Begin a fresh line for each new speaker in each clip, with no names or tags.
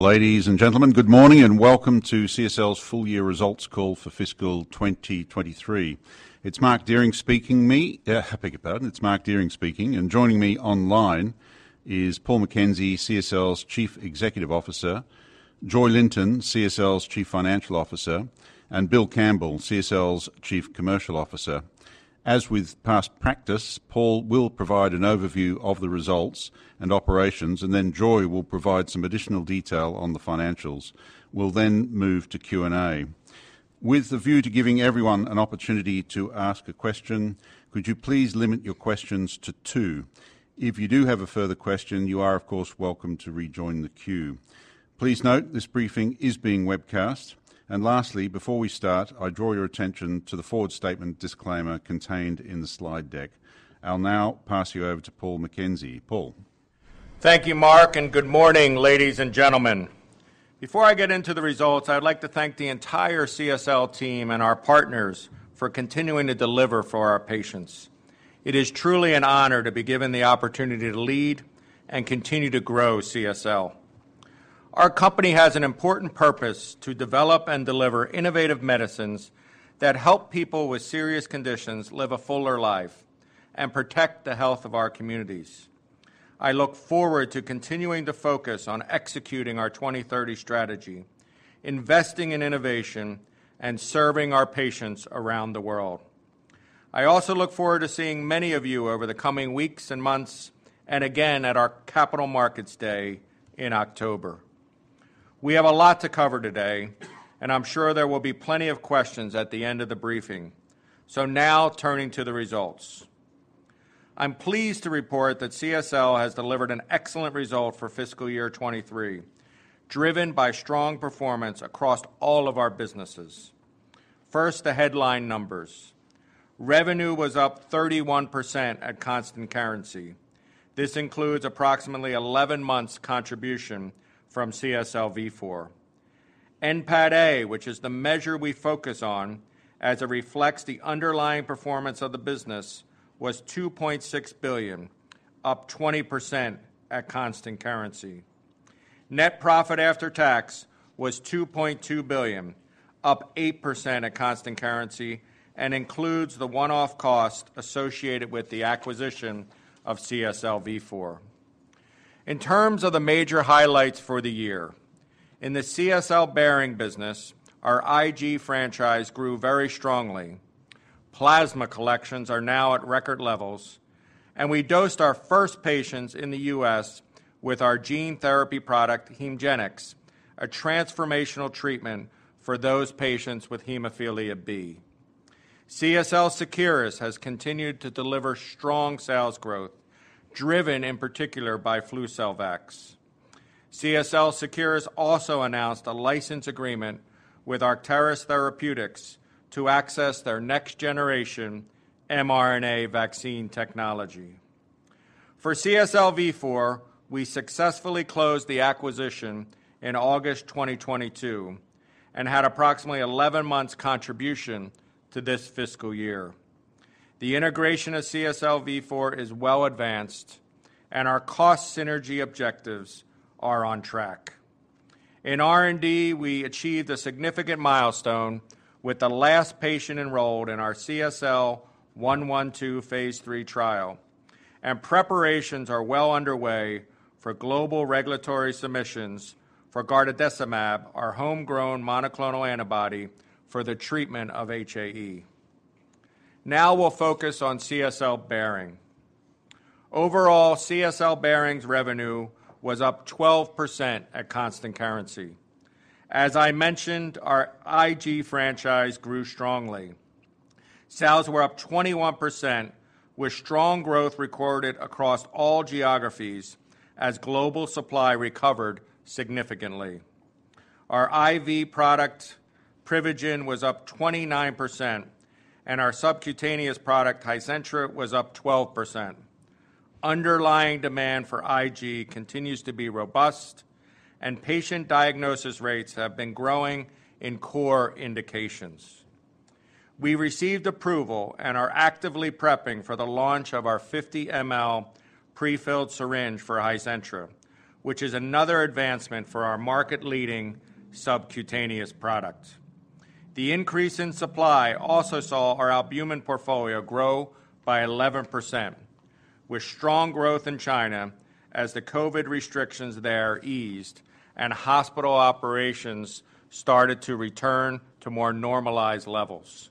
Ladies and gentlemen, good morning, and welcome to CSL's full year results call for fiscal 2023. It's Mark Dehring speaking me, I beg your pardon. It's Mark Dehring speaking, and joining me online is Paul McKenzie, CSL's Chief Executive Officer, Joy Linton, CSL's Chief Financial Officer, and Bill Campbell, CSL's Chief Commercial Officer. As with past practice, Paul will provide an overview of the results and operations, and then Joy will provide some additional detail on the financials. We'll then move to Q&A. With the view to giving everyone an opportunity to ask a question, could you please limit your questions to 2? If you do have a further question, you are, of course, welcome to rejoin the queue. Please note, this briefing is being webcast. Lastly, before we start, I draw your attention to the forward statement disclaimer contained in the slide deck. I'll now pass you over to Paul McKenzie. Paul?
Thank you, Mark. Good morning, ladies and gentlemen. Before I get into the results, I'd like to thank the entire CSL team and our partners for continuing to deliver for our patients. It is truly an honor to be given the opportunity to lead and continue to grow CSL. Our company has an important purpose to develop and deliver innovative medicines that help people with serious conditions live a fuller life and protect the health of our communities. I look forward to continuing to focus on executing our 2030 strategy, investing in innovation, and serving our patients around the world. I also look forward to seeing many of you over the coming weeks and months, and again at our Capital Markets Day in October. We have a lot to cover today, and I'm sure there will be plenty of questions at the end of the briefing. Now, turning to the results. I'm pleased to report that CSL has delivered an excellent result for fiscal year 2023, driven by strong performance across all of our businesses. First, the headline numbers. Revenue was up 31% at constant currency. This includes approximately 11 months contribution from CSL Vifor. NPATA, which is the measure we focus on as it reflects the underlying performance of the business, was $2.6 billion, up 20% at constant currency. Net profit after tax was $2.2 billion, up 8% at constant currency, and includes the one-off cost associated with the acquisition of CSL Vifor. In terms of the major highlights for the year, in the CSL Behring business, our IG franchise grew very strongly. Plasma collections are now at record levels, and we dosed our first patients in the U.S. with our gene therapy product, Hemgenix, a transformational treatment for those patients with hemophilia B. CSL Seqirus has continued to deliver strong sales growth, driven in particular by Flucelvax. CSL Seqirus also announced a license agreement with Arcturus Therapeutics to access their next-generation mRNA vaccine technology. For CSL Vifor, we successfully closed the acquisition in August 2022 and had approximately 11 months contribution to this fiscal year. The integration of CSL Vifor is well advanced, and our cost synergy objectives are on track. In R&D, we achieved a significant milestone with the last patient enrolled in our CSL112 phase III trial. Preparations are well underway for global regulatory submissions for garadacimab, our homegrown monoclonal antibody for the treatment of HAE. Now we'll focus on CSL Behring. Overall, CSL Behring's revenue was up 12% at constant currency. As I mentioned, our IG franchise grew strongly. Sales were up 21%, with strong growth recorded across all geographies as global supply recovered significantly. Our IV product, Privigen, was up 29%, and our subcutaneous product, Hizentra, was up 12%. Underlying demand for IG continues to be robust, and patient diagnosis rates have been growing in core indications. We received approval and are actively prepping for the launch of our 50 ML prefilled syringe for HIZENTRA, which is another advancement for our market-leading subcutaneous product. The increase in supply also saw our albumin portfolio grow by 11%, with strong growth in China as the COVID restrictions there eased and hospital operations started to return to more normalized levels.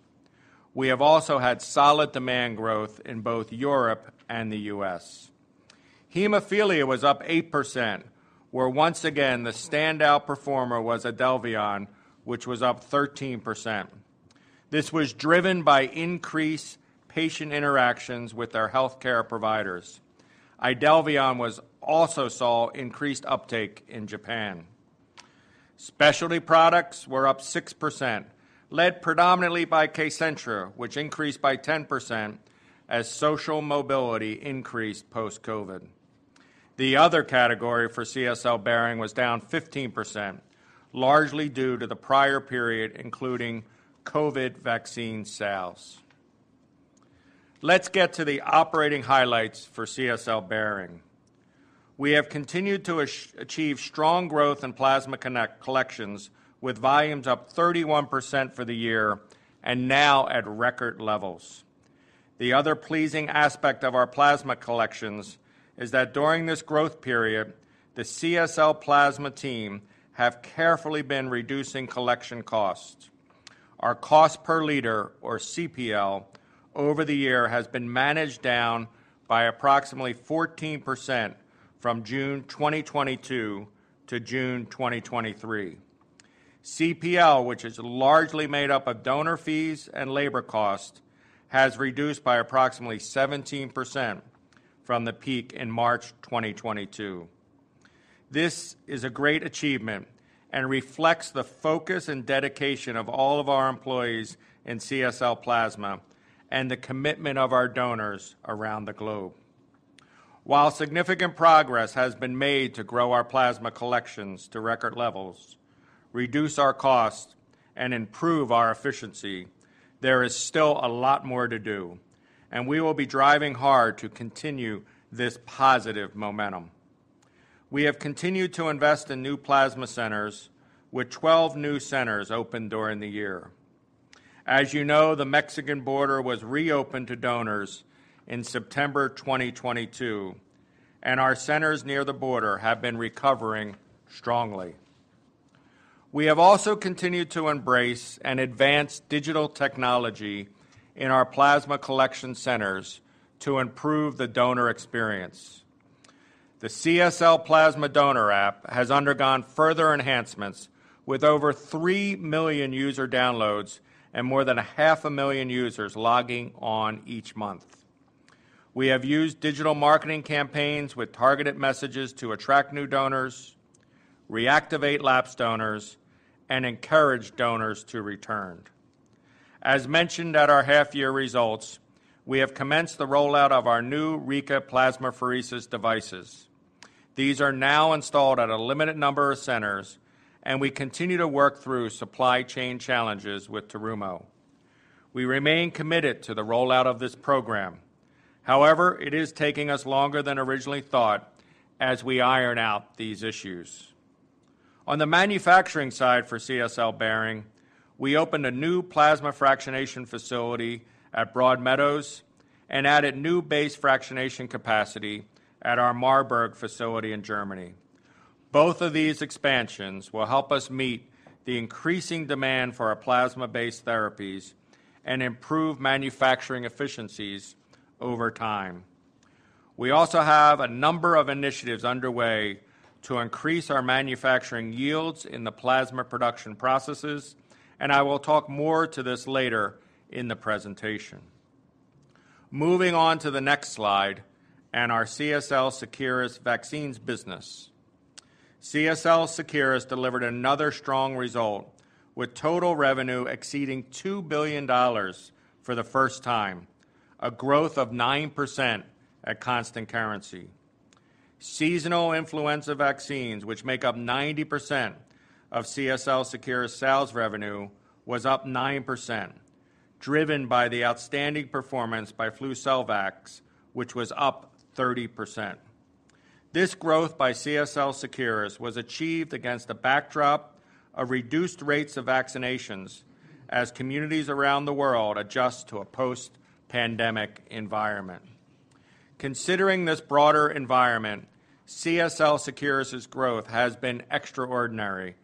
We have also had solid demand growth in both Europe and the U.S.. Hemophilia was up 8%, where once again, the standout performer was Idelvion, which was up 13%. This was driven by increased patient interactions with our healthcare providers. Idelvion also saw increased uptake in Japan. Specialty products were up 6%, led predominantly by Kcentra, which increased by 10% as social mobility increased post-COVID. The other category for CSL Behring was down 15%, largely due to the prior period, including COVID vaccine sales. Let's get to the operating highlights for CSL Behring. We have continued to achieve strong growth in plasma collections, with volumes up 31% for the year and now at record levels. The other pleasing aspect of our plasma collections is that during this growth period, the CSL Plasma team have carefully been reducing collection costs. Our cost per liter, or CPL, over the year has been managed down by approximately 14% from June 2022 to June 2023. CPL, which is largely made up of donor fees and labor cost, has reduced by approximately 17% from the peak in March 2022. This is a great achievement and reflects the focus and dedication of all of our employees in CSL Plasma and the commitment of our donors around the globe. While significant progress has been made to grow our plasma collections to record levels, reduce our costs, and improve our efficiency, there is still a lot more to do, and we will be driving hard to continue this positive momentum. We have continued to invest in new plasma centers, with 12 new centers opened during the year. As you know, the Mexican border was reopened to donors in September 2022, and our centers near the border have been recovering strongly. We have also continued to embrace and advance digital technology in our plasma collection centers to improve the donor experience. The CSL Plasma Donor app has undergone further enhancements, with over 3 million user downloads and more than a half a million users logging on each month. We have used digital marketing campaigns with targeted messages to attract new donors, reactivate lapsed donors, and encourage donors to return. As mentioned at our half-year results, we have commenced the rollout of our new Rika plasmapheresis devices. These are now installed at a limited number of centers, and we continue to work through supply chain challenges with Terumo. We remain committed to the rollout of this program. It is taking us longer than originally thought as we iron out these issues. On the manufacturing side for CSL Behring, we opened a new plasma fractionation facility at Broadmeadows and added new base fractionation capacity at our Marburg facility in Germany. Both of these expansions will help us meet the increasing demand for our plasma-based therapies and improve manufacturing efficiencies over time. We also have a number of initiatives underway to increase our manufacturing yields in the plasma production processes, and I will talk more to this later in the presentation. Moving on to the next slide and our CSL Seqirus Vaccines business. CSL Seqirus delivered another strong result, with total revenue exceeding $2 billion for the first time, a growth of 9% at constant currency. Seasonal influenza vaccines, which make up 90% of CSL Seqirus' sales revenue, was up 9%, driven by the outstanding performance by Flucelvax, which was up 30%. This growth by CSL Seqirus was achieved against a backdrop of reduced rates of vaccinations as communities around the world adjust to a post-pandemic environment. Considering this broader environment, CSL Seqirus' growth has been extraordinary,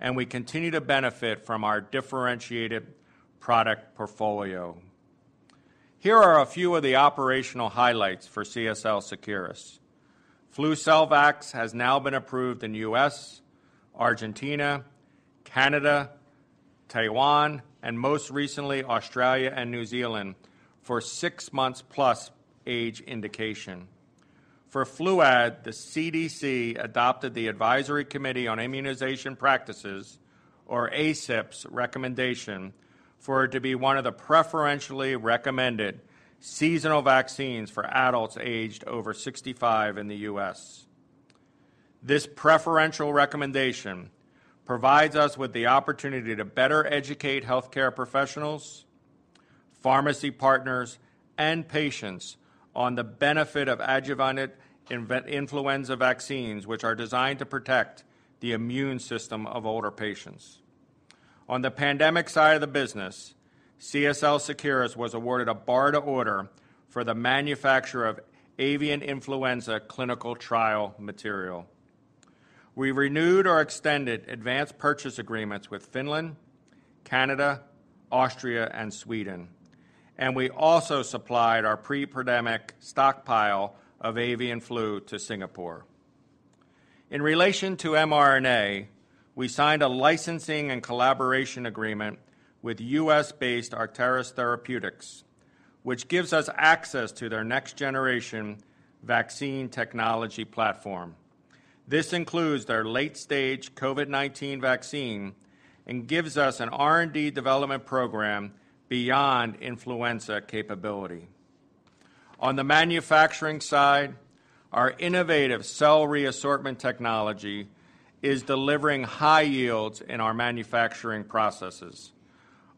and we continue to benefit from our differentiated product portfolio. Here are a few of the operational highlights for CSL Seqirus. Flucelvax has now been approved in U.S., Argentina, Canada, Taiwan, and most recently, Australia and New Zealand, for six months plus age indication. For Fluad, the CDC adopted the Advisory Committee on Immunization Practices, or ACIP's, recommendation for it to be one of the preferentially recommended seasonal vaccines for adults aged over 65 in the U.S.. This preferential recommendation provides us with the opportunity to better educate healthcare professionals, pharmacy partners, and patients on the benefit of adjuvanted influenza vaccines, which are designed to protect the immune system of older patients. On the pandemic side of the business, CSL Seqirus was awarded a BARDA order for the manufacture of avian influenza clinical trial material. We renewed or extended advanced purchase agreements with Finland, Canada, Austria, and Sweden, and we also supplied our pre-pandemic stockpile of avian flu to Singapore. In relation to mRNA, we signed a licensing and collaboration agreement with U.S.-based Arcturus Therapeutics, which gives us access to their next-generation vaccine technology platform. This includes their late-stage COVID-19 vaccine and gives us an R&D development program beyond influenza capability. On the manufacturing side, our innovative cell re-assortment technology is delivering high yields in our manufacturing processes.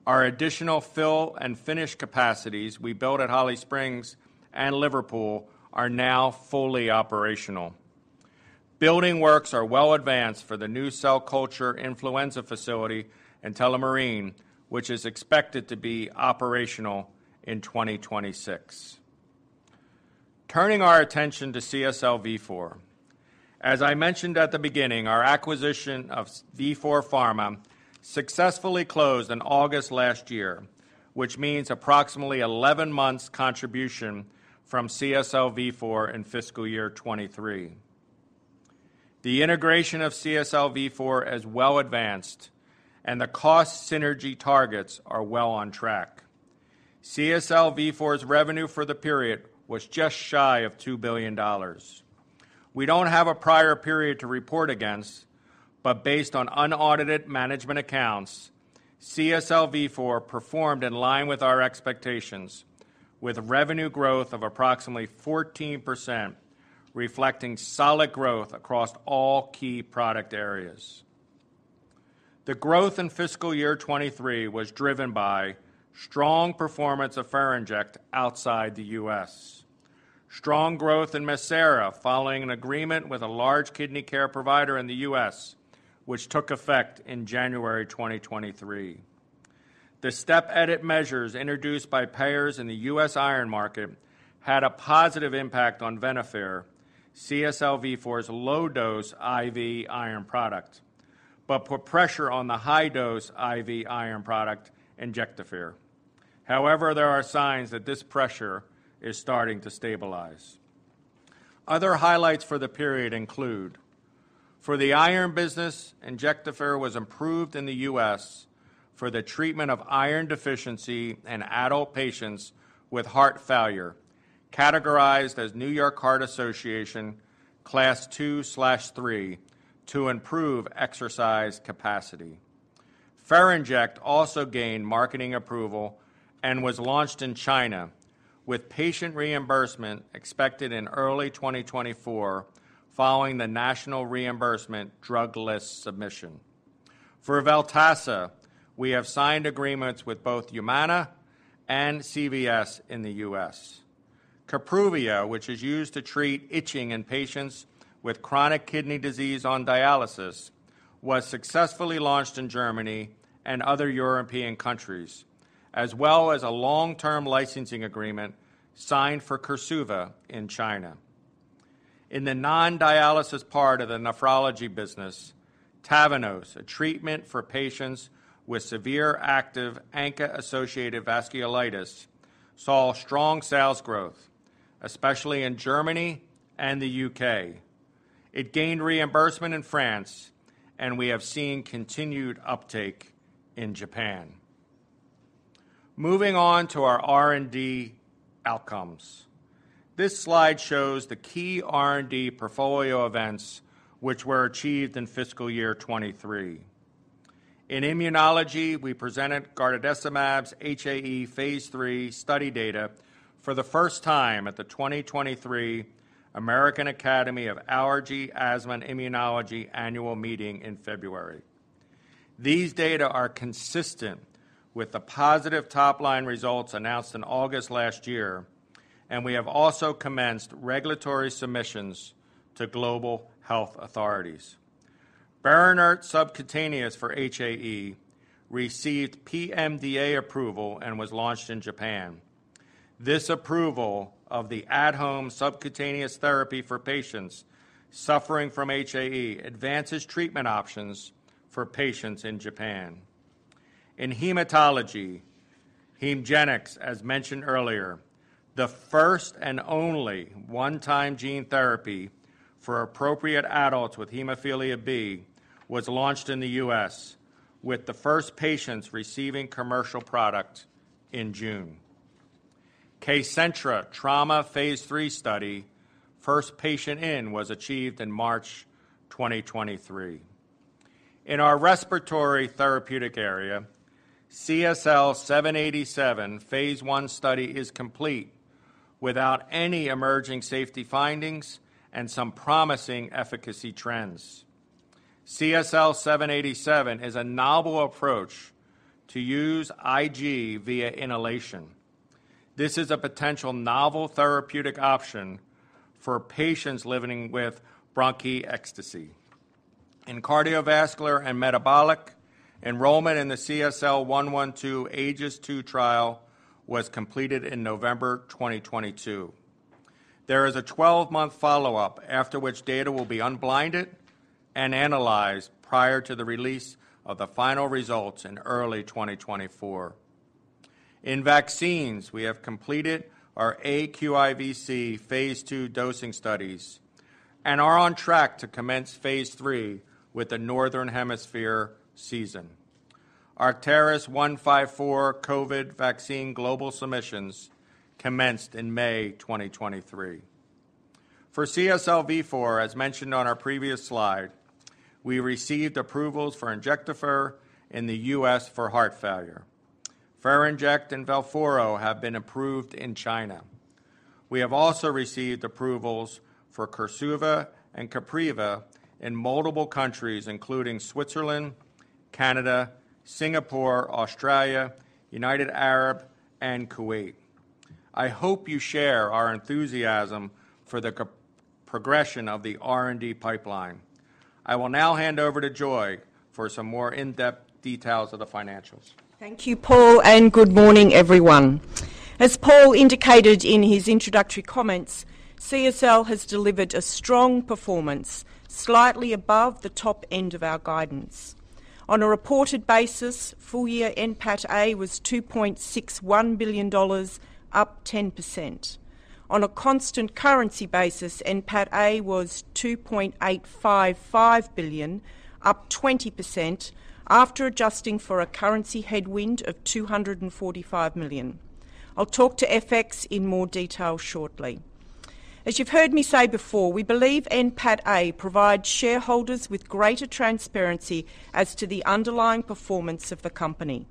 Our additional fill and finish capacities we built at Holly Springs and Liverpool are now fully operational. Building works are well advanced for the new cell culture influenza facility in Tullamarine, which is expected to be operational in 2026. Turning our attention to CSL Vifor. As I mentioned at the beginning, our acquisition of Vifor Pharma successfully closed in August last year, which means approximately 11 months contribution from CSL Vifor in fiscal year 2023. The integration of CSL Vifor is well advanced. The cost synergy targets are well on track. CSL Vifor's revenue for the period was just shy of $2 billion. We don't have a prior period to report against. Based on unaudited management accounts, CSL Vifor performed in line with our expectations, with revenue growth of approximately 14%, reflecting solid growth across all key product areas. The growth in fiscal year 2023 was driven by strong performance of Ferinject outside the U.S.. Strong growth in Mircera, following an agreement with a large kidney care provider in the U.S., which took effect in January 2023. The step edit measures introduced by payers in the U.S. iron market had a positive impact on Venofer, CSL Vifor's low-dose IV iron product, but put pressure on the high-dose IV iron product, Injectafer. However, there are signs that this pressure is starting to stabilize. Other highlights for the period include: for the iron business, Injectafer was improved in the U.S. for the treatment of iron deficiency in adult patients with heart failure, categorized as New York Heart Association Class II/III, to improve exercise capacity. Ferinject also gained marketing approval and was launched in China, with patient reimbursement expected in early 2024, following the National Reimbursement Drug List submission. For Veltassa, we have signed agreements with both Humana and CVS in the U.S.. Kapruvia, which is used to treat itching in patients with chronic kidney disease on dialysis, was successfully launched in Germany and other European countries, as well as a long-term licensing agreement signed for Korsuva in China. In the non-dialysis part of the nephrology business, Tavneos, a treatment for patients with severe active ANCA-associated vasculitis, saw strong sales growth, especially in Germany and the U.K.. It gained reimbursement in France, we have seen continued uptake in Japan. Moving on to our R&D outcomes. This slide shows the key R&D portfolio events which were achieved in fiscal year 23. In immunology, we presented garadacimab's HAE phase III study data for the first time at the 2023 American Academy of Allergy, Asthma and Immunology annual meeting in February. These data are consistent with the positive top-line results announced in August last year, and we have also commenced regulatory submissions to global health authorities. Berinert subcutaneous for HAE received PMDA approval and was launched in Japan. This approval of the at-home subcutaneous therapy for patients suffering from HAE advances treatment options for patients in Japan. In hematology, Hemgenix, as mentioned earlier, the first and only one-time gene therapy for appropriate adults with hemophilia B, was launched in the U.S., with the first patients receiving commercial product in June. Kcentra Trauma phase III study, first patient in, was achieved in March 2023. In our respiratory therapeutic area, CSL787 Phase I study is complete without any emerging safety findings and some promising efficacy trends. CSL787 is a novel approach to use IG via inhalation. This is a potential novel therapeutic option for patients living with bronchiectasis. In cardiovascular and metabolic, enrollment in the CSL112 AEGIS-II trial was completed in November 2022. There is a 12-month follow-up, after which data will be unblinded and analyzed prior to the release of the final results in early 2024. In vaccines, we have completed our AQIV Phase II dosing studies and are on track to commence Phase III with the Northern Hemisphere season. ARCT-154 COVID vaccine global submissions commenced in May 2023. For CSL Vifor, as mentioned on our previous slide, we received approvals for Injectafer in the U.S. for heart failure. Ferinject and Velphoro have been approved in China. We have also received approvals for Korsuva and Kapruvia in multiple countries, including Switzerland, Canada, Singapore, Australia, United Arab, and Kuwait. I hope you share our enthusiasm for the co- progression of the R&D pipeline. I will now hand over to Joy for some more in-depth details of the financials.
Thank you, Paul. Good morning, everyone. As Paul indicated in his introductory comments, CSL has delivered a strong performance, slightly above the top end of our guidance. On a reported basis, full-year NPATA was $2.61 billion, up 10%. On a constant currency basis, NPATA was $2.855 billion, up 20%, after adjusting for a currency headwind of $245 million. I'll talk to FX in more detail shortly. As you've heard me say before, we believe NPATA provids shareholders with greater transparency as to the underlying performance of the company.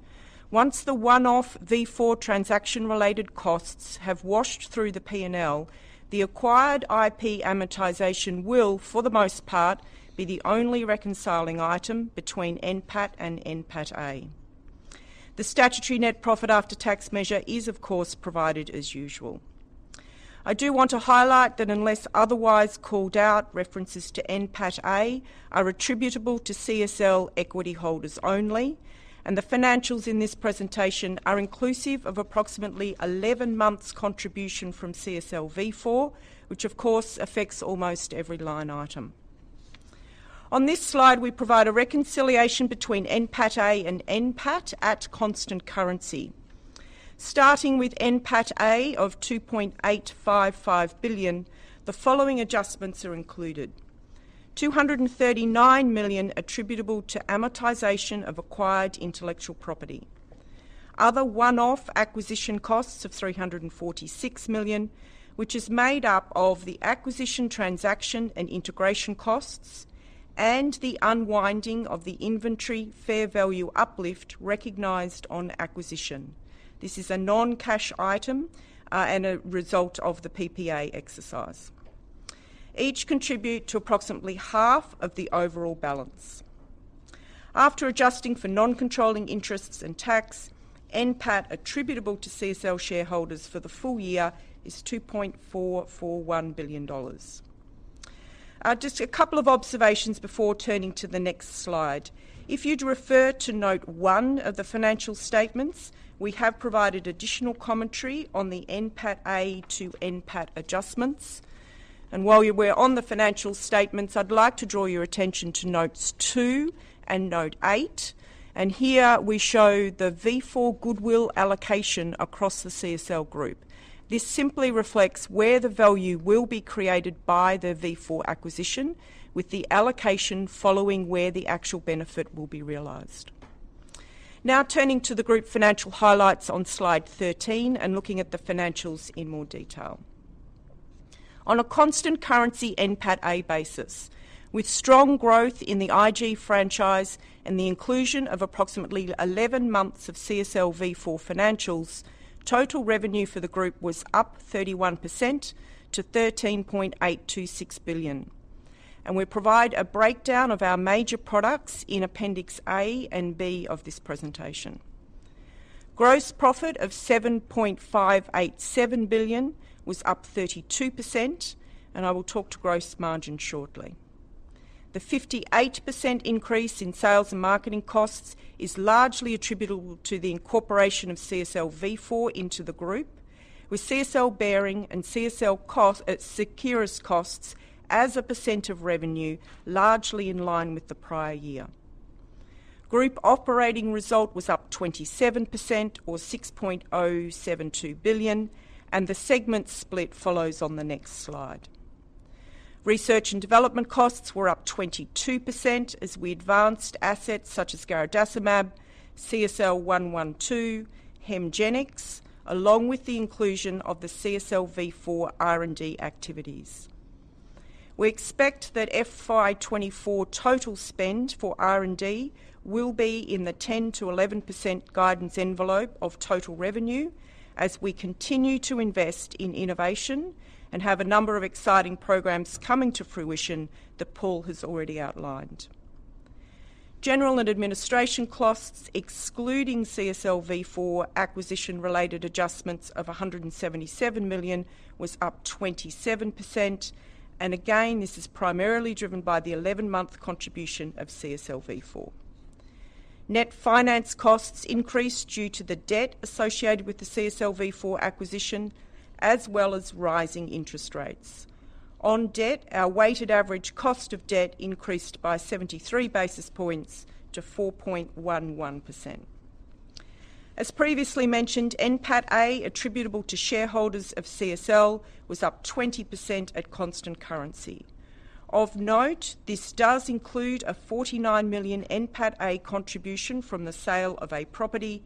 Once the one-off Vifor transaction-related costs have washed through the P&L, the acquired IP amortization will, for the most part, be the only reconciling item between NPATAnd NPATA. The statutory net profit after tax measure is, of course, provided as usual. I do want to highlight that unless otherwise called out, references to NPATA are attributable to CSL equity holders only. The financials in this presentation are inclusive of approximately 11 months' contribution from CSL Vifor, which of course affects almost every line item. On this slide, we provide a reconciliation between NPATA and NPATAt constant currency. Starting with NPATA of $2.855 billion, the following adjustments are included: $239 million attributable to amortization of acquired intellectual property. Other one-off acquisition costs of $346 million, which is made up of the acquisition, transaction, and integration costs and the unwinding of the inventory fair value uplift recognized on acquisition. This is a non-cash item, and a result of the PPA exercise. Each contribute to approximately half of the overall balance. After adjusting for non-controlling interests and tax, NPATAttributable to CSL shareholders for the full year is $2.441 billion. Just a couple of observations before turning to the next slide. If you'd refer to note 1 of the financial statements, we have provided additional commentary on the NPATA to NPATAdjustments. While we're on the financial statements, I'd like to draw your attention to notes 2 and note 8. Here we show the Vifor goodwill allocation across the CSL group. This simply reflects where the value will be created by the Vifor acquisition, with the allocation following where the actual benefit will be realized. Now, turning to the group financial highlights on slide 13 and looking at the financials in more detail. On a constant currency NPATA basis, with strong growth in the IG franchise and the inclusion of approximately 11 months of CSL Vifor financials, total revenue for the group was up 31% to $13.826 billion. We provide a breakdown of our major products in Appendix A and B of this presentation. Gross profit of $7.587 billion was up 32%. I will talk to gross margin shortly. The 58% increase in sales and marketing costs is largely attributable to the incorporation of CSL Vifor into the group, with CSL Behring and CSL Seqirus costs as a % of revenue, largely in line with the prior year. Group operating result was up 27% or $6.072 billion. The segment split follows on the next slide. Research and development costs were up 22% as we advanced assets such as garadacimab, CSL112, Hemgenix, along with the inclusion of the CSL Vifor R&D activities. We expect that FY 2024 total spend for R&D will be in the 10%-11% guidance envelope of total revenue as we continue to invest in innovation and have a number of exciting programs coming to fruition that Paul has already outlined. General and administration costs, excluding CSL Vifor acquisition-related adjustments of $177 million, was up 27%. Again, this is primarily driven by the 11-month contribution of CSL Vifor. Net finance costs increased due to the debt associated with the CSL Vifor acquisition, as well as rising interest rates. On debt, our weighted average cost of debt increased by 73 basis points to 4.11%. As previously mentioned, NPATA, attributable to shareholders of CSL, was up 20% at constant currency. Of note, this does include a $49 million NPATA contribution from the sale of a property.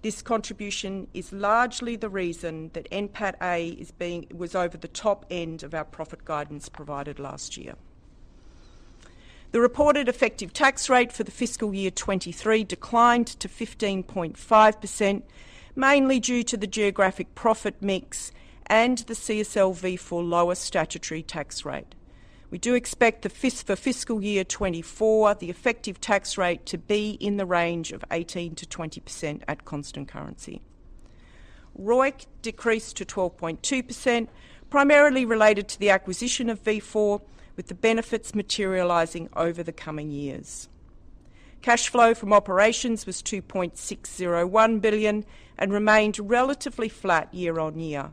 This contribution is largely the reason that NPATA was over the top end of our profit guidance provided last year. The reported effective tax rate for the fiscal year 2023 declined to 15.5%, mainly due to the geographic profit mix and the CSL Vifor lower statutory tax rate. We do expect for fiscal year 2024, the effective tax rate to be in the range of 18%-20% at constant currency. ROIC decreased to 12.2%, primarily related to the acquisition of CSL Vifor, with the benefits materializing over the coming years. Cash flow from operations was $2.601 billion remained relatively flat year-on-year.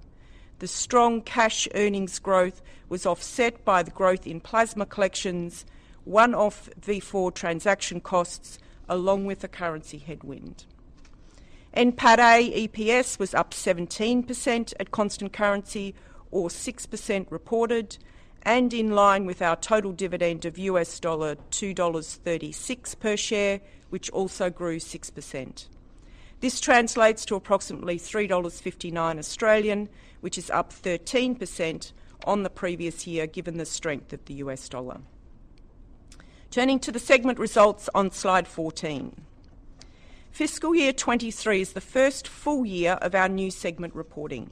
The strong cash earnings growth was offset by the growth in plasma collections, one-off Vifor transaction costs, along with the currency headwind. NPATA EPS was up 17% at constant currency or 6% reported, and in line with our total dividend of $2.36 per share, which also grew 6%. This translates to approximately 3.59 Australian dollars, which is up 13% on the previous year, given the strength of the U.S. dollar. Turning to the segment results on slide 14. Fiscal year 23 is the first full year of our new segment reporting.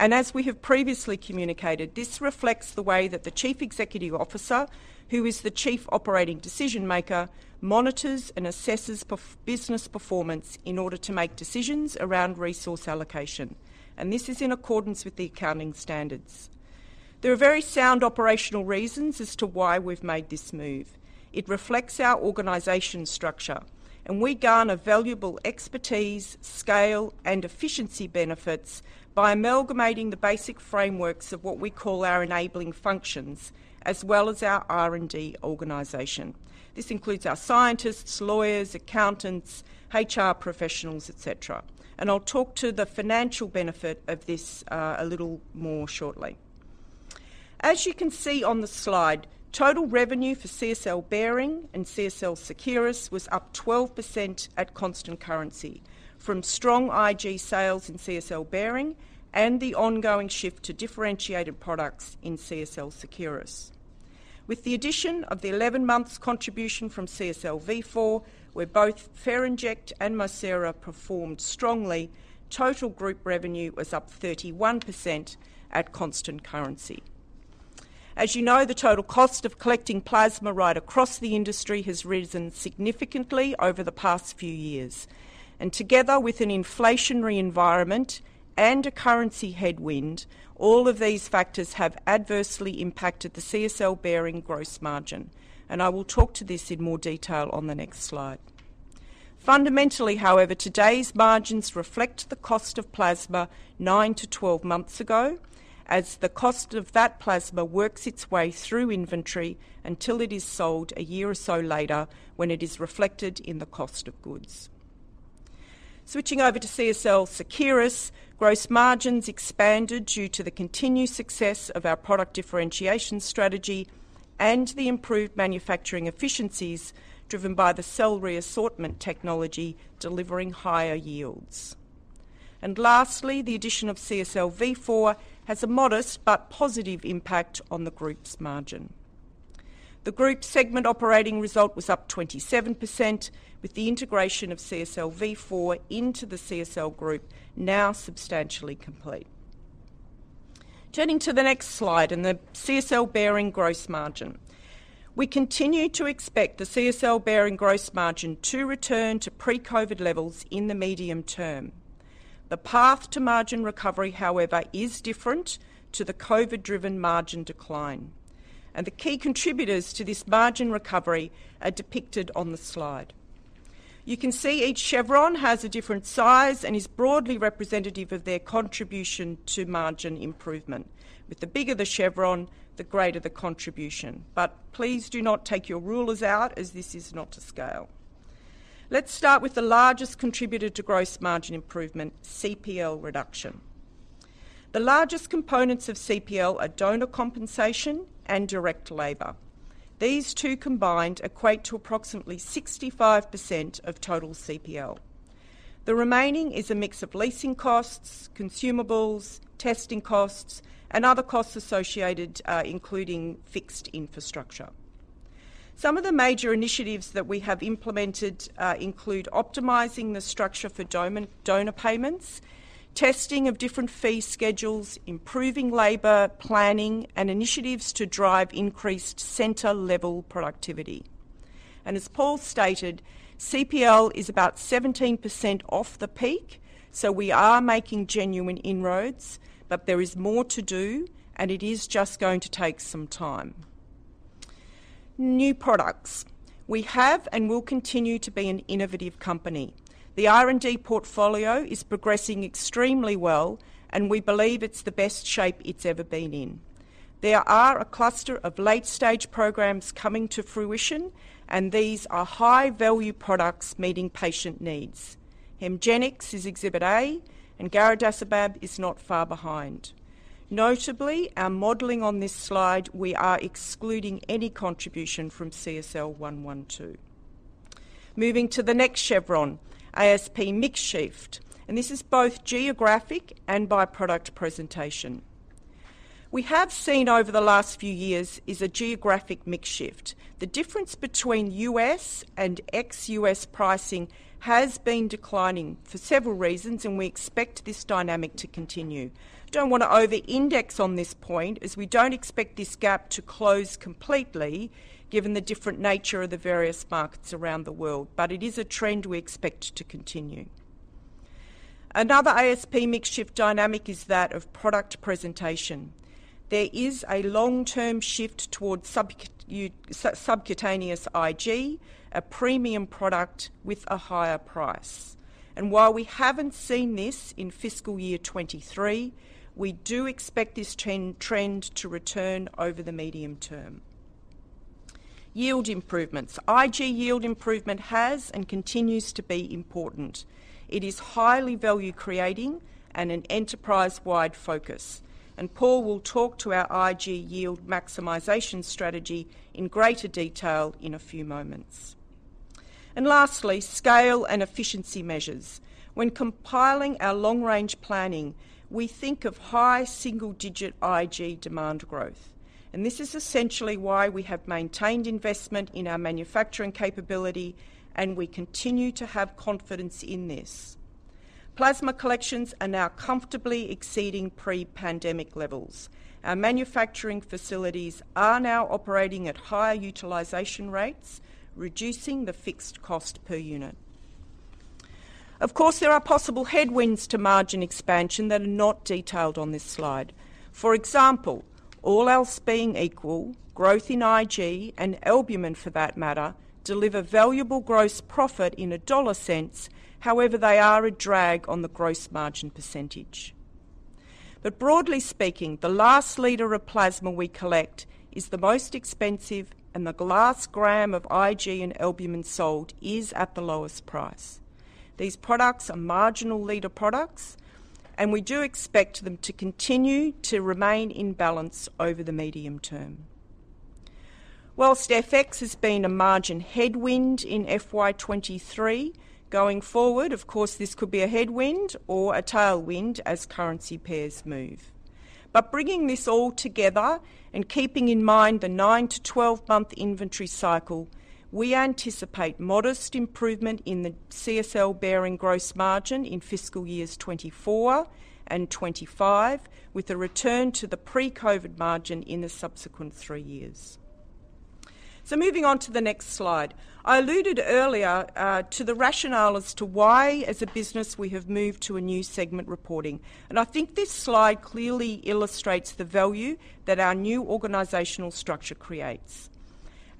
As we have previously communicated, this reflects the way that the chief executive officer, who is the chief operating decision maker, monitors and assesses business performance in order to make decisions around resource allocation, and this is in accordance with the accounting standards. There are very sound operational reasons as to why we've made this move. It reflects our organization structure, and we garner valuable expertise, scale, and efficiency benefits by amalgamating the basic frameworks of what we call our enabling functions, as well as our R&D organization. This includes our scientists, lawyers, accountants, HR professionals, et cetera. I'll talk to the financial benefit of this a little more shortly. As you can see on the slide, total revenue for CSL Behring and CSL Seqirus was up 12% at constant currency from strong IG sales in CSL Behring and the ongoing shift to differentiated products in CSL Seqirus. With the addition of the 11 months contribution from CSL Vifor, where both Ferinject and Mircera performed strongly, total group revenue was up 31% at constant currency. As you know, the total cost of collecting plasma right across the industry has risen significantly over the past few years, and together with an inflationary environment and a currency headwind, all of these factors have adversely impacted the CSL Behring gross margin. I will talk to this in more detail on the next slide. Fundamentally, however, today's margins reflect the cost of plasma nine-12 months ago, as the cost of that plasma works its way through inventory until it is sold a year or so later, when it is reflected in the cost of goods. Switching over to CSL Seqirus, gross margins expanded due to the continued success of our product differentiation strategy and the improved manufacturing efficiencies driven by the cell re-assortment technology, delivering higher yields. Lastly, the addition of CSL Vifor has a modest but positive impact on the group's margin. The group segment operating result was up 27%, with the integration of CSL Vifor into the CSL group now substantially complete. Turning to the next slide and the CSL Behring gross margin. We continue to expect the CSL Behring gross margin to return to pre-COVID levels in the medium term. The path to margin recovery, however, is different to the COVID-driven margin decline, and the key contributors to this margin recovery are depicted on the slide. You can see each chevron has a different size and is broadly representative of their contribution to margin improvement, with the bigger the chevron, the greater the contribution. Please do not take your rulers out, as this is not to scale. Let's start with the largest contributor to gross margin improvement, CPL reduction. The largest components of CPL are donor compensation and direct labor. These two combined equate to approximately 65% of total CPL. The remaining is a mix of leasing costs, consumables, testing costs, and other costs associated, including fixed infrastructure. Some of the major initiatives that we have implemented, include optimizing the structure for doma- donor payments, testing of different fee schedules, improving labor planning, and initiatives to drive increased center-level productivity. As Paul stated, CPL is about 17% off the peak, so we are making genuine inroads, but there is more to do, and it is just going to take some time. New products. We have and will continue to be an innovative company. The R&D portfolio is progressing extremely well, and we believe it's the best shape it's ever been in. There are a cluster of late-stage programs coming to fruition, and these are high-value products meeting patient needs. Hemgenix is Exhibit A, garadacimab is not far behind. Notably, our modeling on this slide, we are excluding any contribution from CSL112.... Moving to the next chevron, ASP mix shift, and this is both geographic and by product presentation. We have seen over the last few years is a geographic mix shift. The difference between US and ex-US pricing has been declining for several reasons, and we expect this dynamic to continue. Don't wanna over-index on this point, as we don't expect this gap to close completely, given the different nature of the various markets around the world, but it is a trend we expect to continue. Another ASP mix shift dynamic is that of product presentation. There is a long-term shift towards subcutaneous IG, a premium product with a higher price. While we haven't seen this in fiscal year 2023, we do expect this trend to return over the medium term. Yield improvements. IG yield improvement has and continues to be important. It is highly value-creating and an enterprise-wide focus. Paul will talk to our IG yield maximization strategy in greater detail in a few moments. Lastly, scale and efficiency measures. When compiling our long-range planning, we think of high single-digit IG demand growth, and this is essentially why we have maintained investment in our manufacturing capability, and we continue to have confidence in this. Plasma collections are now comfortably exceeding pre-pandemic levels. Our manufacturing facilities are now operating at higher utilization rates, reducing the fixed cost per unit. Of course, there are possible headwinds to margin expansion that are not detailed on this slide. For example, all else being equal, growth in IG and albumin, for that matter, deliver valuable gross profit in a dollar sense, however, they are a drag on the gross margin %. Broadly speaking, the last liter of plasma we collect is the most expensive, and the last gram of IG and albumin sold is at the lowest price. These products are marginal liter products, and we do expect them to continue to remain in balance over the medium term. Whilst FX has been a margin headwind in FY 2023, going forward, of course, this could be a headwind or a tailwind as currency pairs move. Bringing this all together and keeping in mind the nine-to-12-month inventory cycle, we anticipate modest improvement in the CSL Behring gross margin in fiscal years 2024 and 2025, with a return to the pre-COVID margin in the subsequent three years. Moving on to the next slide. I alluded earlier to the rationale as to why, as a business, we have moved to a new segment reporting, and I think this slide clearly illustrates the value that our new organizational structure creates.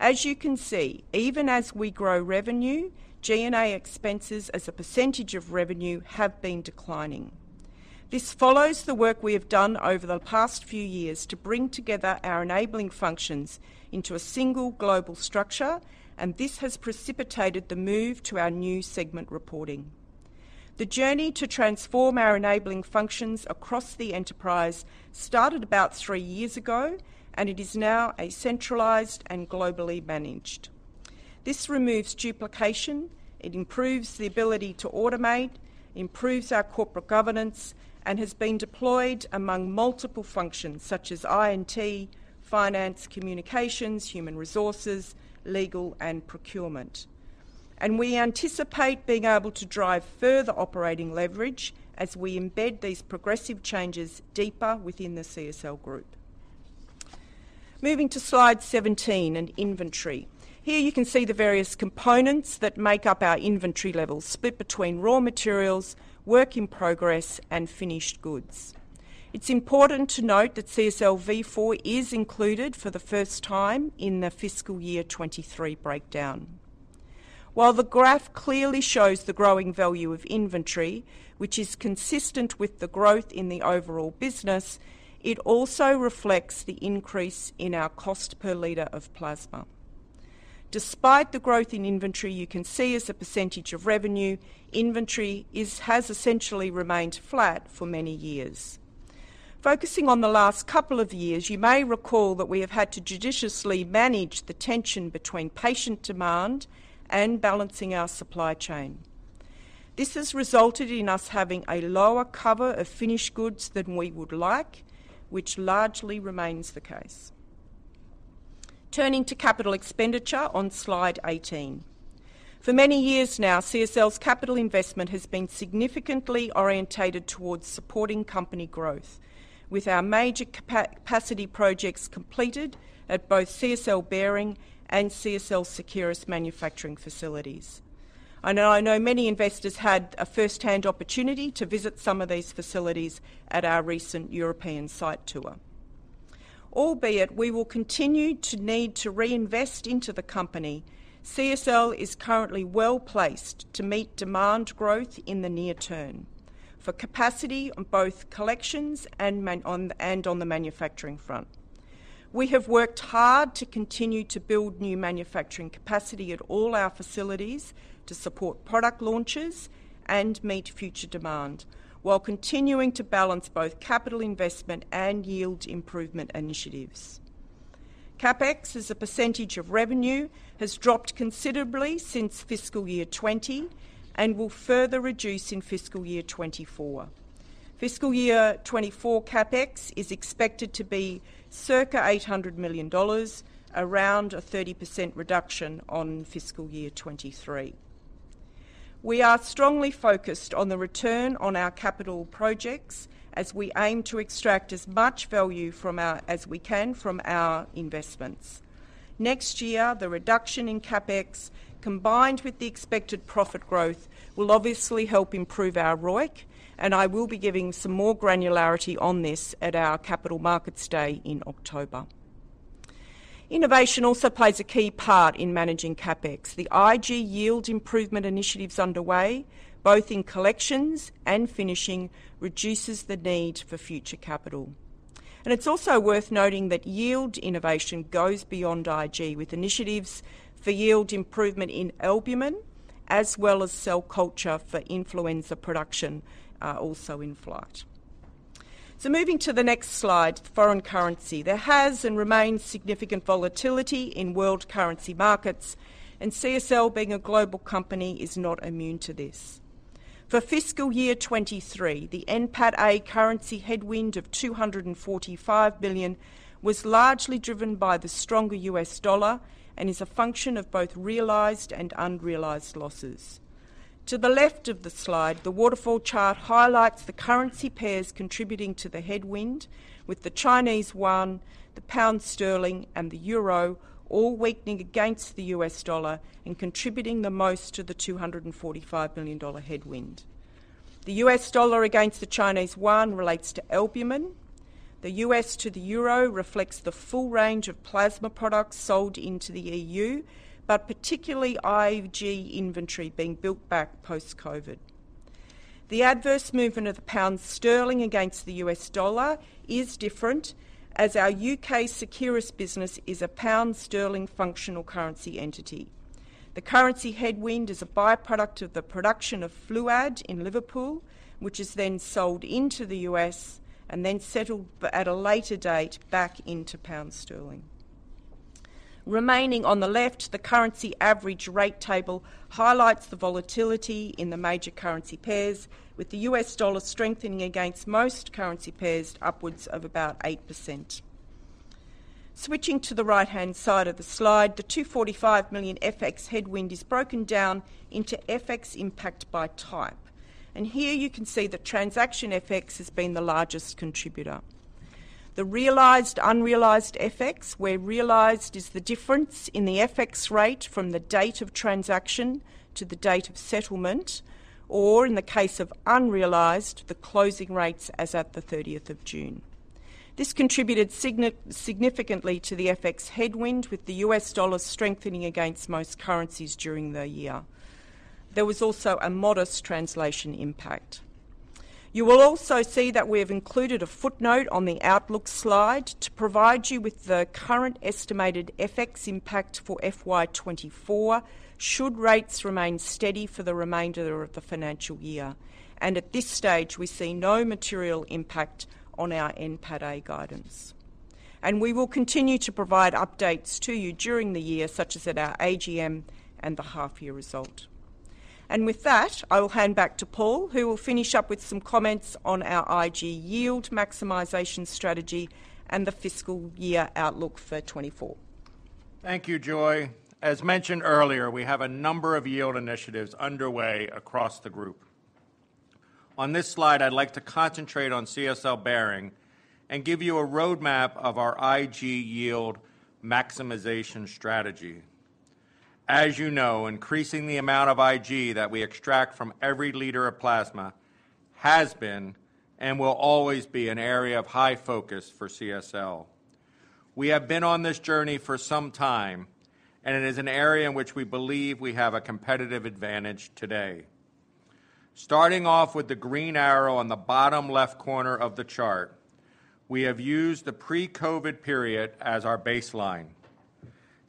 As you can see, even as we grow revenue, G&A expenses as a % of revenue have been declining. This follows the work we have done over the past few years to bring together our enabling functions into a single global structure. This has precipitated the move to our new segment reporting. The journey to transform our enabling functions across the enterprise started about three years ago, and it is now a centralized and globally managed. This removes duplication, it improves the ability to automate, improves our corporate governance, and has been deployed among multiple functions such as I&T, finance, communications, human resources, legal, and procurement. We anticipate being able to drive further operating leverage as we embed these progressive changes deeper within the CSL group. Moving to slide 17 and inventory. Here, you can see the various components that make up our inventory levels, split between raw materials, work in progress, and finished goods. It's important to note that CSL Vifor is included for the first time in the fiscal year 2023 breakdown. While the graph clearly shows the growing value of inventory, which is consistent with the growth in the overall business, it also reflects the increase in our cost per liter of plasma. Despite the growth in inventory, you can see as a % of revenue, inventory has essentially remained flat for many years. Focusing on the last couple of years, you may recall that we have had to judiciously manage the tension between patient demand and balancing our supply chain. This has resulted in us having a lower cover of finished goods than we would like, which largely remains the case. Turning to CapEx on slide 18. For many years now, CSL's capital investment has been significantly orientated towards supporting company growth, with our major capacity projects completed at both CSL Behring and CSL Seqirus manufacturing facilities. I know, I know many investors had a first-hand opportunity to visit some of these facilities at our recent European site tour. We will continue to need to reinvest into the company, CSL is currently well-placed to meet demand growth in the near term for capacity on both collections and on the manufacturing front. We have worked hard to continue to build new manufacturing capacity at all our facilities to support product launches and meet future demand, while continuing to balance both capital investment and yield improvement initiatives. CapEx as a % of revenue has dropped considerably since fiscal year 2020, and will further reduce in fiscal year 2024. Fiscal year 2024 CapEx is expected to be circa $800 million, around a 30% reduction on fiscal year 2023. We are strongly focused on the return on our capital projects, as we aim to extract as much value from our, as we can from our investments. Next year, the reduction in CapEx, combined with the expected profit growth, will obviously help improve our ROIC, and I will be giving some more granularity on this at our Capital Markets Day in October. Innovation also plays a key part in managing CapEx. The IG yield improvement initiatives underway, both in collections and finishing, reduces the need for future capital. It's also worth noting that yield innovation goes beyond IG, with initiatives for yield improvement in albumin, as well as cell culture for influenza production, also in flight. Moving to the next slide, foreign currency. There has and remains significant volatility in world currency markets, and CSL, being a global company, is not immune to this. For fiscal year 23, the NPATA currency headwind of $245 billion was largely driven by the stronger U.S. dollar and is a function of both realized and unrealized losses. To the left of the slide, the waterfall chart highlights the currency pairs contributing to the headwind, with the Chinese yuan, the pound sterling, and the euro all weakening against the U.S. dollar and contributing the most to the $245 million headwind. The U.S. dollar against the Chinese yuan relates to albumin. The US to the euro reflects the full range of plasma products sold into the EU, but particularly IG inventory being built back post-COVID. The adverse movement of the pound sterling against the U.S. dollar is different, as our U.K. Seqirus business is a pound sterling functional currency entity. The currency headwind is a by-product of the production of Fluad in Liverpool, which is then sold into the U.S. and then settled at a later date back into pound sterling. Remaining on the left, the currency average rate table highlights the volatility in the major currency pairs, with the U.S. dollar strengthening against most currency pairs upwards of about 8%. Switching to the right-hand side of the slide, the $245 million FX headwind is broken down into FX impact by type. Here you can see that transaction FX has been the largest contributor. The realized, unrealized FX, where realized is the difference in the FX rate from the date of transaction to the date of settlement, or in the case of unrealized, the closing rates as at the 30th of June. This contributed significantly to the FX headwind, with the U.S. dollar strengthening against most currencies during the year. There was also a modest translation impact. You will also see that we have included a footnote on the outlook slide to provide you with the current estimated FX impact for FY 2024, should rates remain steady for the remainder of the financial year. At this stage, we see no material impact on our NPATA guidance. We will continue to provide updates to you during the year, such as at our AGM and the half-year result. With that, I will hand back to Paul, who will finish up with some comments on our IG yield maximization strategy and the fiscal year outlook for 2024.
Thank you, Joy. As mentioned earlier, we have a number of yield initiatives underway across the group. On this slide, I'd like to concentrate on CSL Behring and give you a roadmap of our IG yield maximization strategy. As you know, increasing the amount of IG that we extract from every liter of plasma has been and will always be an area of high focus for CSL. We have been on this journey for some time, and it is an area in which we believe we have a competitive advantage today. Starting off with the green arrow on the bottom left corner of the chart, we have used the pre-COVID period as our baseline.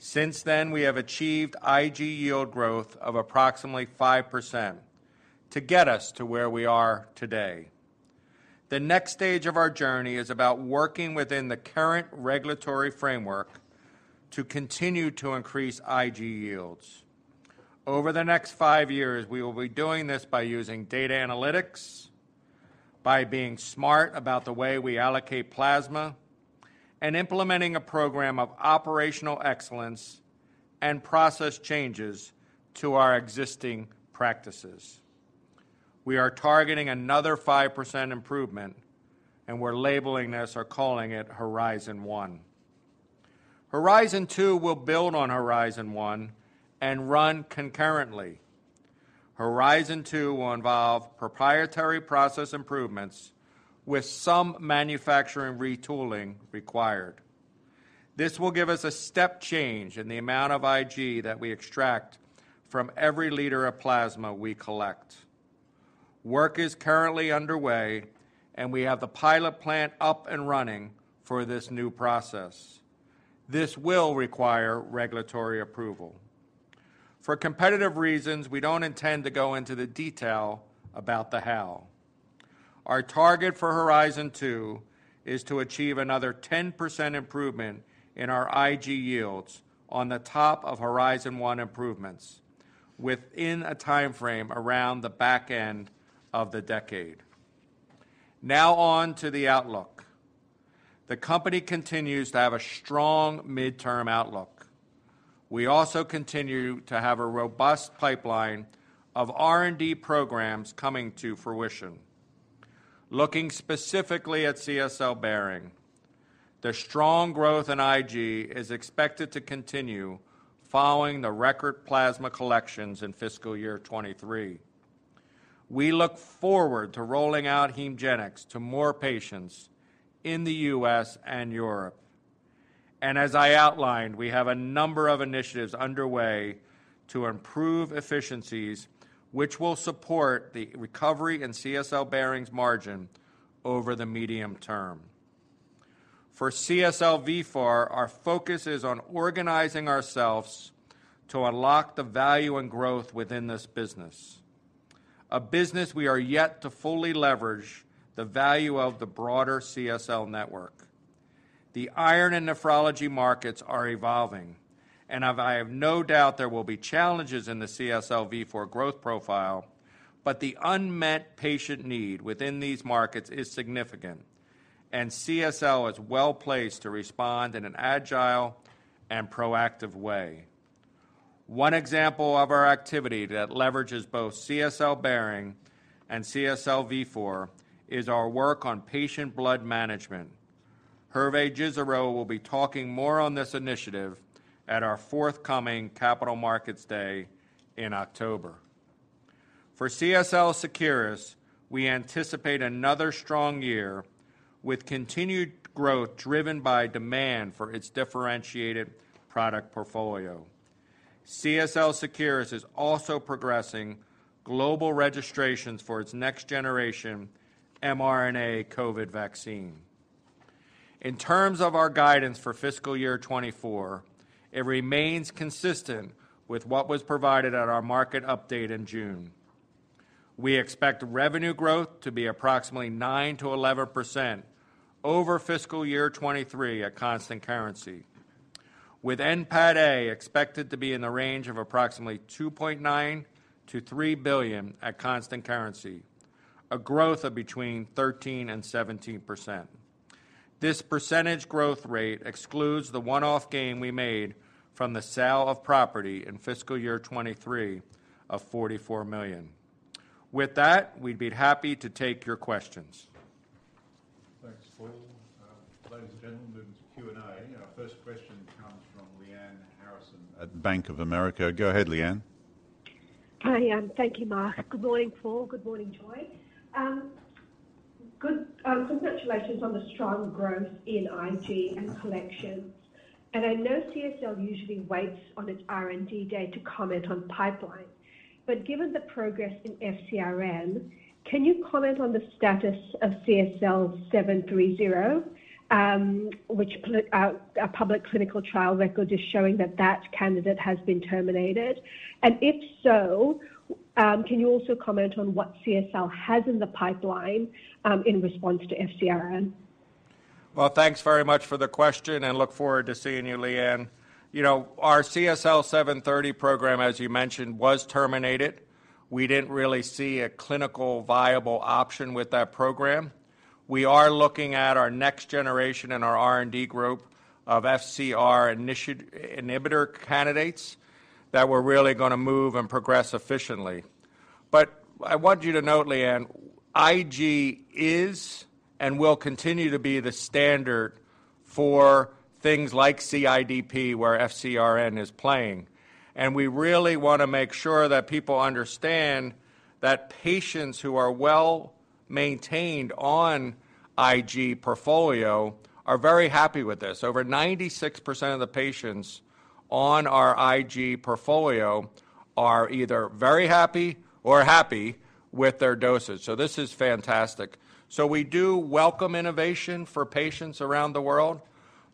Since then, we have achieved IG yield growth of approximately 5% to get us to where we are today. The next stage of our journey is about working within the current regulatory framework to continue to increase IG yields. Over the next five years, we will be doing this by using data analytics, by being smart about the way we allocate plasma, and implementing a program of operational excellence and process changes to our existing practices. We are targeting another 5% improvement, and we're labeling this or calling it Horizon One. Horizon 2 will build on Horizon One and run concurrently. Horizon 2 will involve proprietary process improvements with some manufacturing retooling required. This will give us a step change in the amount of IG that we extract from every liter of plasma we collect. Work is currently underway, and we have the pilot plant up and running for this new process. This will require regulatory approval. For competitive reasons, we don't intend to go into the detail about the how. Our target for Horizon 2 is to achieve another 10% improvement in our IG yields on the top of Horizon One improvements, within a timeframe around the back end of the decade. On to the outlook. The company continues to have a strong midterm outlook. We also continue to have a robust pipeline of R&D programs coming to fruition. Looking specifically at CSL Behring, the strong growth in IG is expected to continue following the record plasma collections in fiscal year 23. We look forward to rolling out Hemgenix to more patients in the U.S. and Europe. As I outlined, we have a number of initiatives underway to improve efficiencies, which will support the recovery in CSL Behring's margin over the medium term. For CSL Vifor, our focus is on organizing ourselves to unlock the value and growth within this business. A business we are yet to fully leverage the value of the broader CSL network. The iron and nephrology markets are evolving, I have no doubt there will be challenges in the CSL Vifor growth profile, the unmet patient need within these markets is significant, CSL is well-placed to respond in an agile and proactive way. One example of our activity that leverages both CSL Behring and CSL Vifor is our work on patient blood management. Hervé Gisserot will be talking more on this initiative at our forthcoming Capital Markets Day in October. For CSL Seqirus, we anticipate another strong year with continued growth driven by demand for its differentiated product portfolio. CSL Seqirus is also progressing global registrations for its next generation mRNA COVID vaccine. In terms of our guidance for fiscal year 2024, it remains consistent with what was provided at our market update in June. We expect revenue growth to be approximately 9%-11% over fiscal year 2023 at constant currency, with NPATA expected to be in the range of approximately $2.9 billion-$3 billion at constant currency, a growth of between 13% and 17%. This percentage growth rate excludes the one-off gain we made from the sale of property in fiscal year 2023 of $44 million. With that, we'd be happy to take your questions.
Thanks, Paul. Ladies and gentlemen, Q&A. Our first question comes from Lyanne Harrison at Bank of America Merrill Lynch. Go ahead, Lyanne.
Hi, and thank you, Mark. Good morning, Paul. Good morning, Joy. Good, congratulations on the strong growth in IG and collections. I know CSL usually waits on its R&D day to comment on pipeline, but given the progress in FcRn, can you comment on the status of CSL730, which a public clinical trial record is showing that that candidate has been terminated? If so, can you also comment on what CSL has in the pipeline in response to FcRn?
Thanks very much for the question, and look forward to seeing you, Lyanne. You know, our CSL730 program, as you mentioned, was terminated. We didn't really see a clinical viable option with that program. We are looking at our next generation in our R&D group of FcRn inhibitor candidates that we're really gonna move and progress efficiently. I want you to note, Leanne, IG is and will continue to be the standard for things like CIDP, where FcRn is playing. We really wanna make sure that people understand that patients who are well-maintained on IG portfolio are very happy with this. Over 96% of the patients on our IG portfolio are either very happy or happy with their doses. This is fantastic. We do welcome innovation for patients around the world,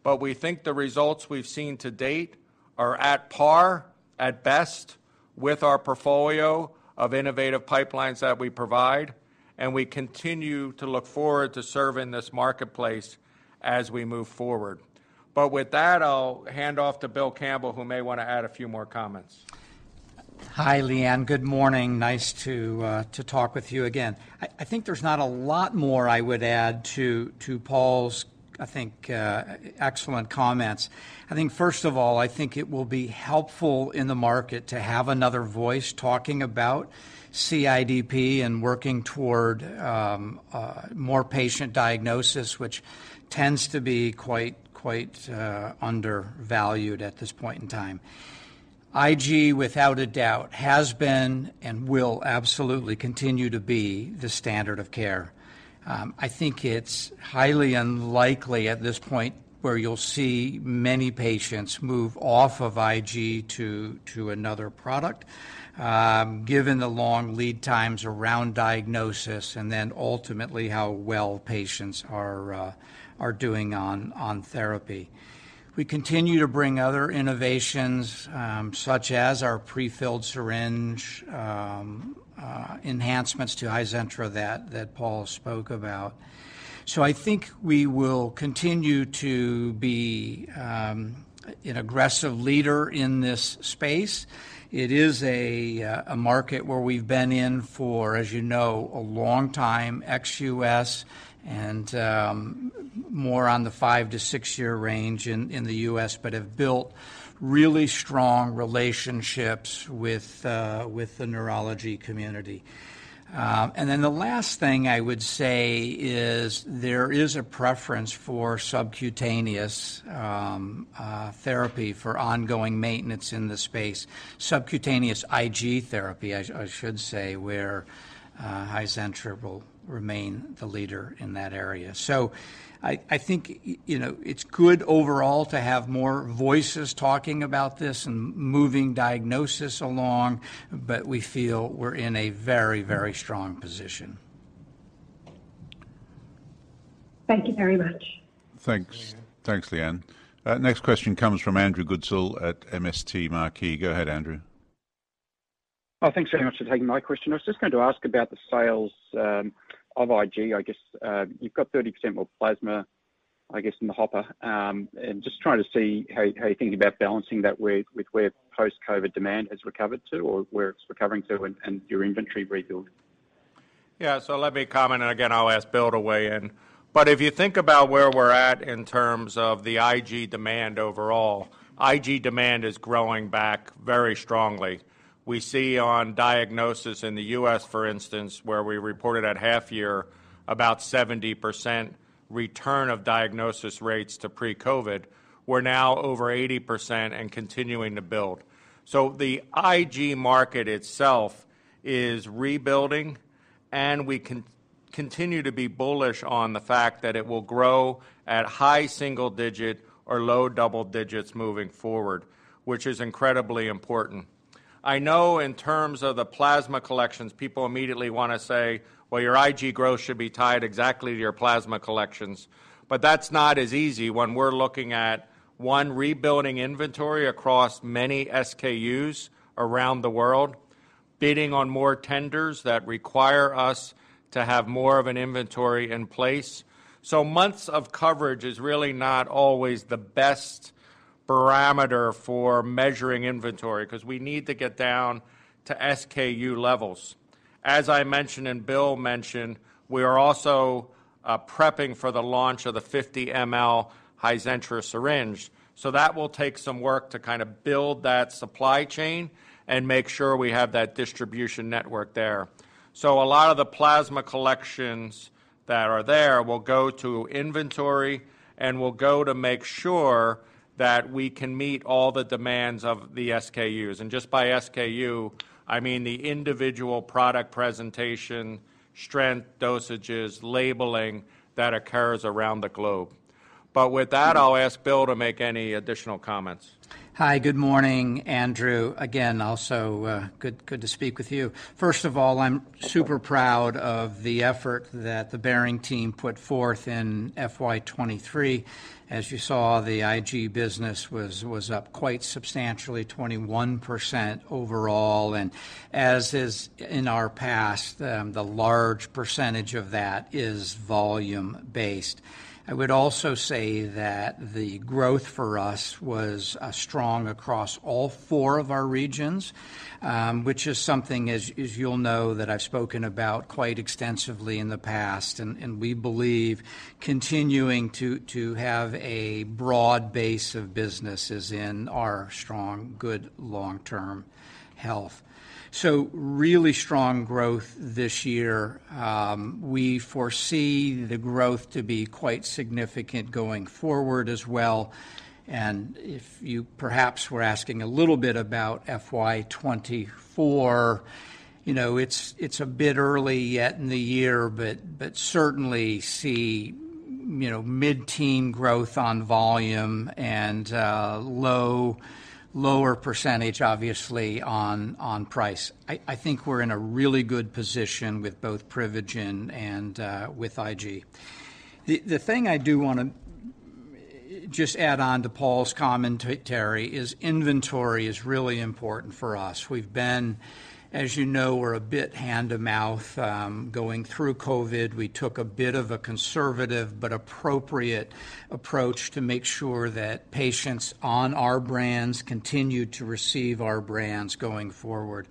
but we think the results we've seen to date are at par, at best, with our portfolio of innovative pipelines that we provide, and we continue to look forward to serving this marketplace as we move forward. With that, I'll hand off to Bill Campbell, who may want to add a few more comments.
Hi, Leanne. Good morning. Nice to to talk with you again. I, I think there's not a lot more I would add to, to Paul's, I think, excellent comments. I think first of all, I think it will be helpful in the market to have another voice talking about CIDP and working toward more patient diagnosis, which tends to be quite, quite, undervalued at this point in time. IG, without a doubt, has been and will absolutely continue to be the standard of care. I think it's highly unlikely at this point where you'll see many patients move off of IG to, to another product, given the long lead times around diagnosis and then ultimately how well patients are doing on, on therapy. We continue to bring other innovations, such as our prefilled syringe, enhancements to HIZENTRA that, that Paul spoke about. I think we will continue to be.... an aggressive leader in this space. It is a market where we've been in for, as you know, a long time, ex-U.S. and more on the five to six-year range in, in the U.S., but have built really strong relationships with the neurology community. The last thing I would say is there is a preference for subcutaneous therapy for ongoing maintenance in the space. Subcutaneous IG therapy, I should say, where HIZENTRA will remain the leader in that area. I, I think, you know, it's good overall to have more voices talking about this and moving diagnosis along, but we feel we're in a very, very strong position.
Thank you very much.
Thanks. Thanks, Leanne. Next question comes from Andrew Goodsall at MST Marquee. Go ahead, Andrew.
Oh, thanks very much for taking my question. I was just going to ask about the sales of IG. I guess, you've got 30% more plasma, I guess, in the hopper. Just trying to see how, how you're thinking about balancing that with, with where post-COVID demand has recovered to or where it's recovering to and, and your inventory rebuild.
Let me comment, and again, I'll ask Bill to weigh in. If you think about where we're at in terms of the IG demand overall, IG demand is growing back very strongly. We see on diagnosis in the U.S., for instance, where we reported at half year, about 70% return of diagnosis rates to pre-COVID, we're now over 80% and continuing to build. The IG market itself is rebuilding, and we continue to be bullish on the fact that it will grow at high single digit or low double digits moving forward, which is incredibly important. I know in terms of the plasma collections, people immediately wanna say, "Well, your IG growth should be tied exactly to your plasma collections." That's not as easy when we're looking at, one, rebuilding inventory across many SKUs around the world, bidding on more tenders that require us to have more of an inventory in place. Months of coverage is really not always the best parameter for measuring inventory, 'cause we need to get down to SKU levels. As I mentioned, and Bill mentioned, we are also prepping for the launch of the 50 mL HIZENTRA syringe, so that will take some work to kind of build that supply chain and make sure we have that distribution network there. A lot of the plasma collections that are there will go to inventory and will go to make sure that we can meet all the demands of the SKUs. Just by SKU, I mean the individual product presentation, strength, dosages, labeling that occurs around the globe. With that, I'll ask Bill to make any additional comments.
Hi, good morning, Andrew. Again, also, good, good to speak with you. First of all, I'm super proud of the effort that the CSL Behring team put forth in FY 2023. As you saw, the IG business was, was up quite substantially, 21% overall, as is in our past, the large percentage of that is volume-based. I would also say that the growth for us was strong across all four of our regions, which is something as, as you'll know, that I've spoken about quite extensively in the past. We believe continuing to, to have a broad base of business is in our strong, good long-term health. Really strong growth this year. we foresee the growth to be quite significant going forward as well, and if you perhaps were asking a little bit about FY 2024, you know, it's, it's a bit early yet in the year, but, but certainly see, you know, mid-teen growth on volume and low- lower %, obviously, on, on price. I, I think we're in a really good position with both Privigen and with IG. The, the thing I do wanna just add on to Paul's commentary is inventory is really important for us. We've been... As you know, we're a bit hand-to-mouth. Going through COVID, we took a bit of a conservative but appropriate approach to make sure that patients on our brands continued to receive our brands going forward.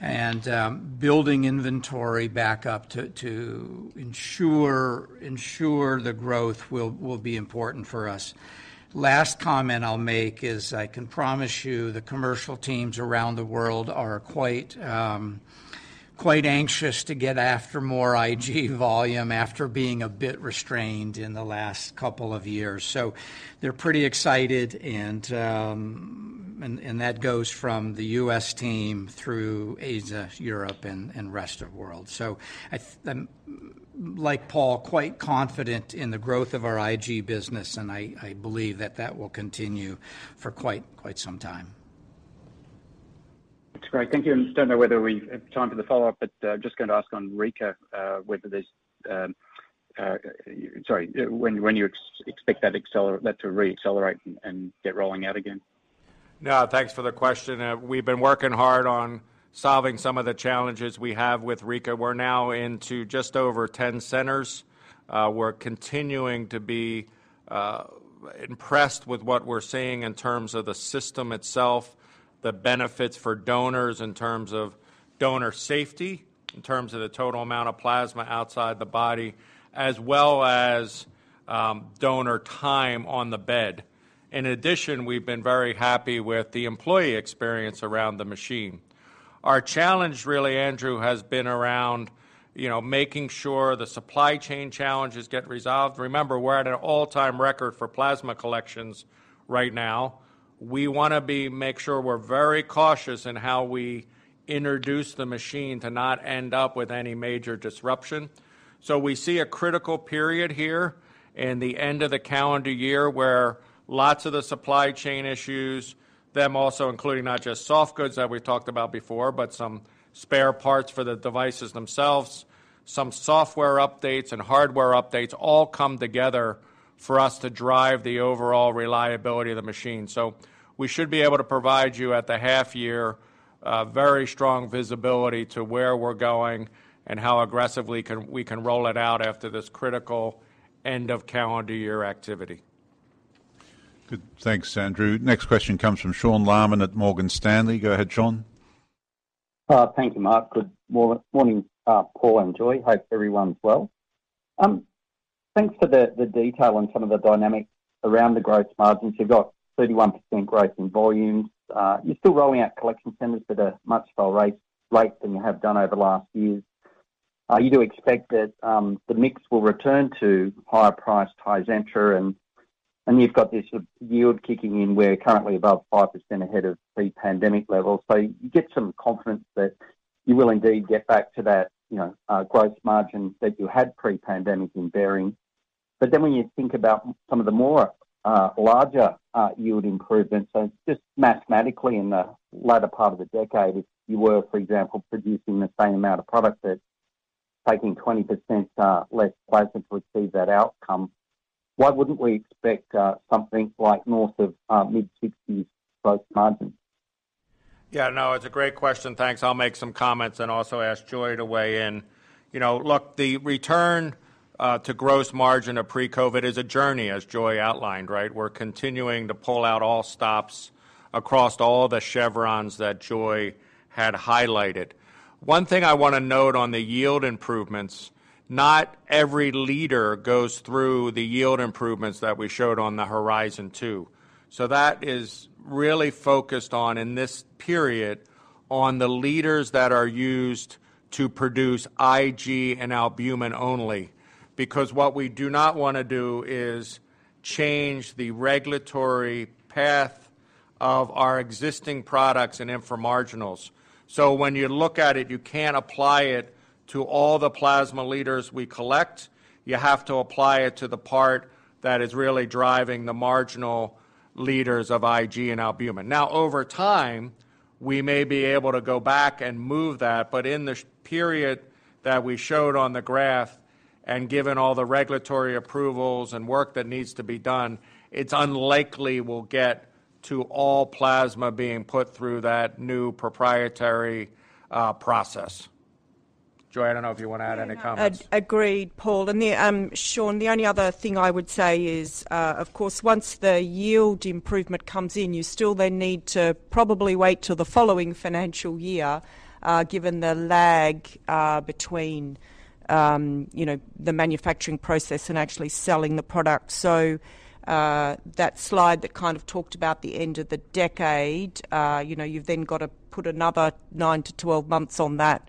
Building inventory back up to, to ensure, ensure the growth will, will be important for us. Last comment I'll make is, I can promise you, the commercial teams around the world are quite, quite anxious to get after more IG volume after being a bit restrained in the last couple of years. They're pretty excited, and, and, and that goes from the U.S. team through Asia, Europe, and, and rest of world. I... Like Paul, quite confident in the growth of our IG business, and I, I believe that that will continue for quite, quite some time.
That's great. Thank you. I just don't know whether we have time for the follow-up, but, just going to ask on Rika, sorry, when, when you expect that to reaccelerate and, and get rolling out again?
Yeah, thanks for the question. We've been working hard on solving some of the challenges we have with Rika. We're now into just over 10 centers. We're continuing to be impressed with what we're seeing in terms of the system itself, the benefits for donors in terms of donor safety, in terms of the total amount of plasma outside the body, as well as donor time on the bed. In addition, we've been very happy with the employee experience around the machine. Our challenge really, Andrew, has been around, you know, making sure the supply chain challenges get resolved. Remember, we're at an all-time record for plasma collections right now. We wanna make sure we're very cautious in how we introduce the machine to not end up with any major disruption. We see a critical period here in the end of the calendar year, where lots of the supply chain issues, them also including not just soft goods that we've talked about before, but some spare parts for the devices themselves, some software updates and hardware updates, all come together for us to drive the overall reliability of the machine. We should be able to provide you, at the half year, a very strong visibility to where we're going and how aggressively we can roll it out after this critical end-of-calendar-year activity.
Good. Thanks, Andrew. Next question comes from Sean Laaman at Morgan Stanley. Go ahead, Sean.
Thank you, Mark. Good morning, Paul and Joy. Hope everyone's well. Thanks for the detail on some of the dynamics around the growth margins. You've got 31% growth in volumes. You're still rolling out collection centers at a much slower rate than you have done over the last years. You do expect that the mix will return to higher priced HIZENTRA, and you've got this sort of yield kicking in, where you're currently above 5% ahead of pre-pandemic levels. You get some confidence that you will indeed get back to that, you know, gross margin that you had pre-pandemic in CSL Behring. When you think about some of the more, larger, yield improvements, so just mathematically in the latter part of the decade, if you were, for example, producing the same amount of product that's taking 20% less plasma to achieve that outcome, why wouldn't we expect something like north of mid-60s growth margin?
Yeah, no, it's a great question. Thanks. I'll make some comments and also ask Joy to weigh in. You know, look, the return to gross margin of pre-COVID is a journey, as Joy outlined, right? We're continuing to pull out all stops across all the chevrons that Joy had highlighted. One thing I wanna note on the yield improvements, not every liter goes through the yield improvements that we showed on the Horizon 2. That is really focused on, in this period, on the liters that are used to produce IG and albumin only, because what we do not wanna do is change the regulatory path of our existing products and infra-marginals. When you look at it, you can't apply it to all the plasma liters we collect. You have to apply it to the part that is really driving the marginal liters of IG and albumin. Over time, we may be able to go back and move that, but in the period that we showed on the graph and given all the regulatory approvals and work that needs to be done, it's unlikely we'll get to all plasma being put through that new proprietary process. Joy, I don't know if you want to add any comments.
Yeah. Agreed, Paul. The, Sean, the only other thing I would say is, of course, once the yield improvement comes in, you still then need to probably wait till the following financial year, given the lag between, you know, the manufacturing process and actually selling the product. That slide that kind of talked about the end of the decade, you know, you've then got to put another 9-12 months on that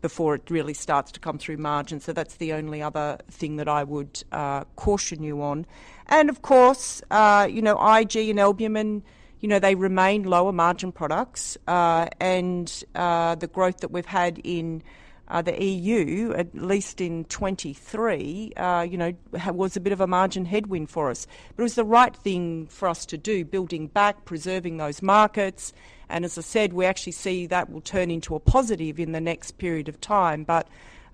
before it really starts to come through margins. That's the only other thing that I would caution you on. Of course, you know, IG and albumin, you know, they remain lower-margin products. The growth that we've had in the EU, at least in 23, you know, was a bit of a margin headwind for us. It was the right thing for us to do, building back, preserving those markets, and as I said, we actually see that will turn into a positive in the next period of time.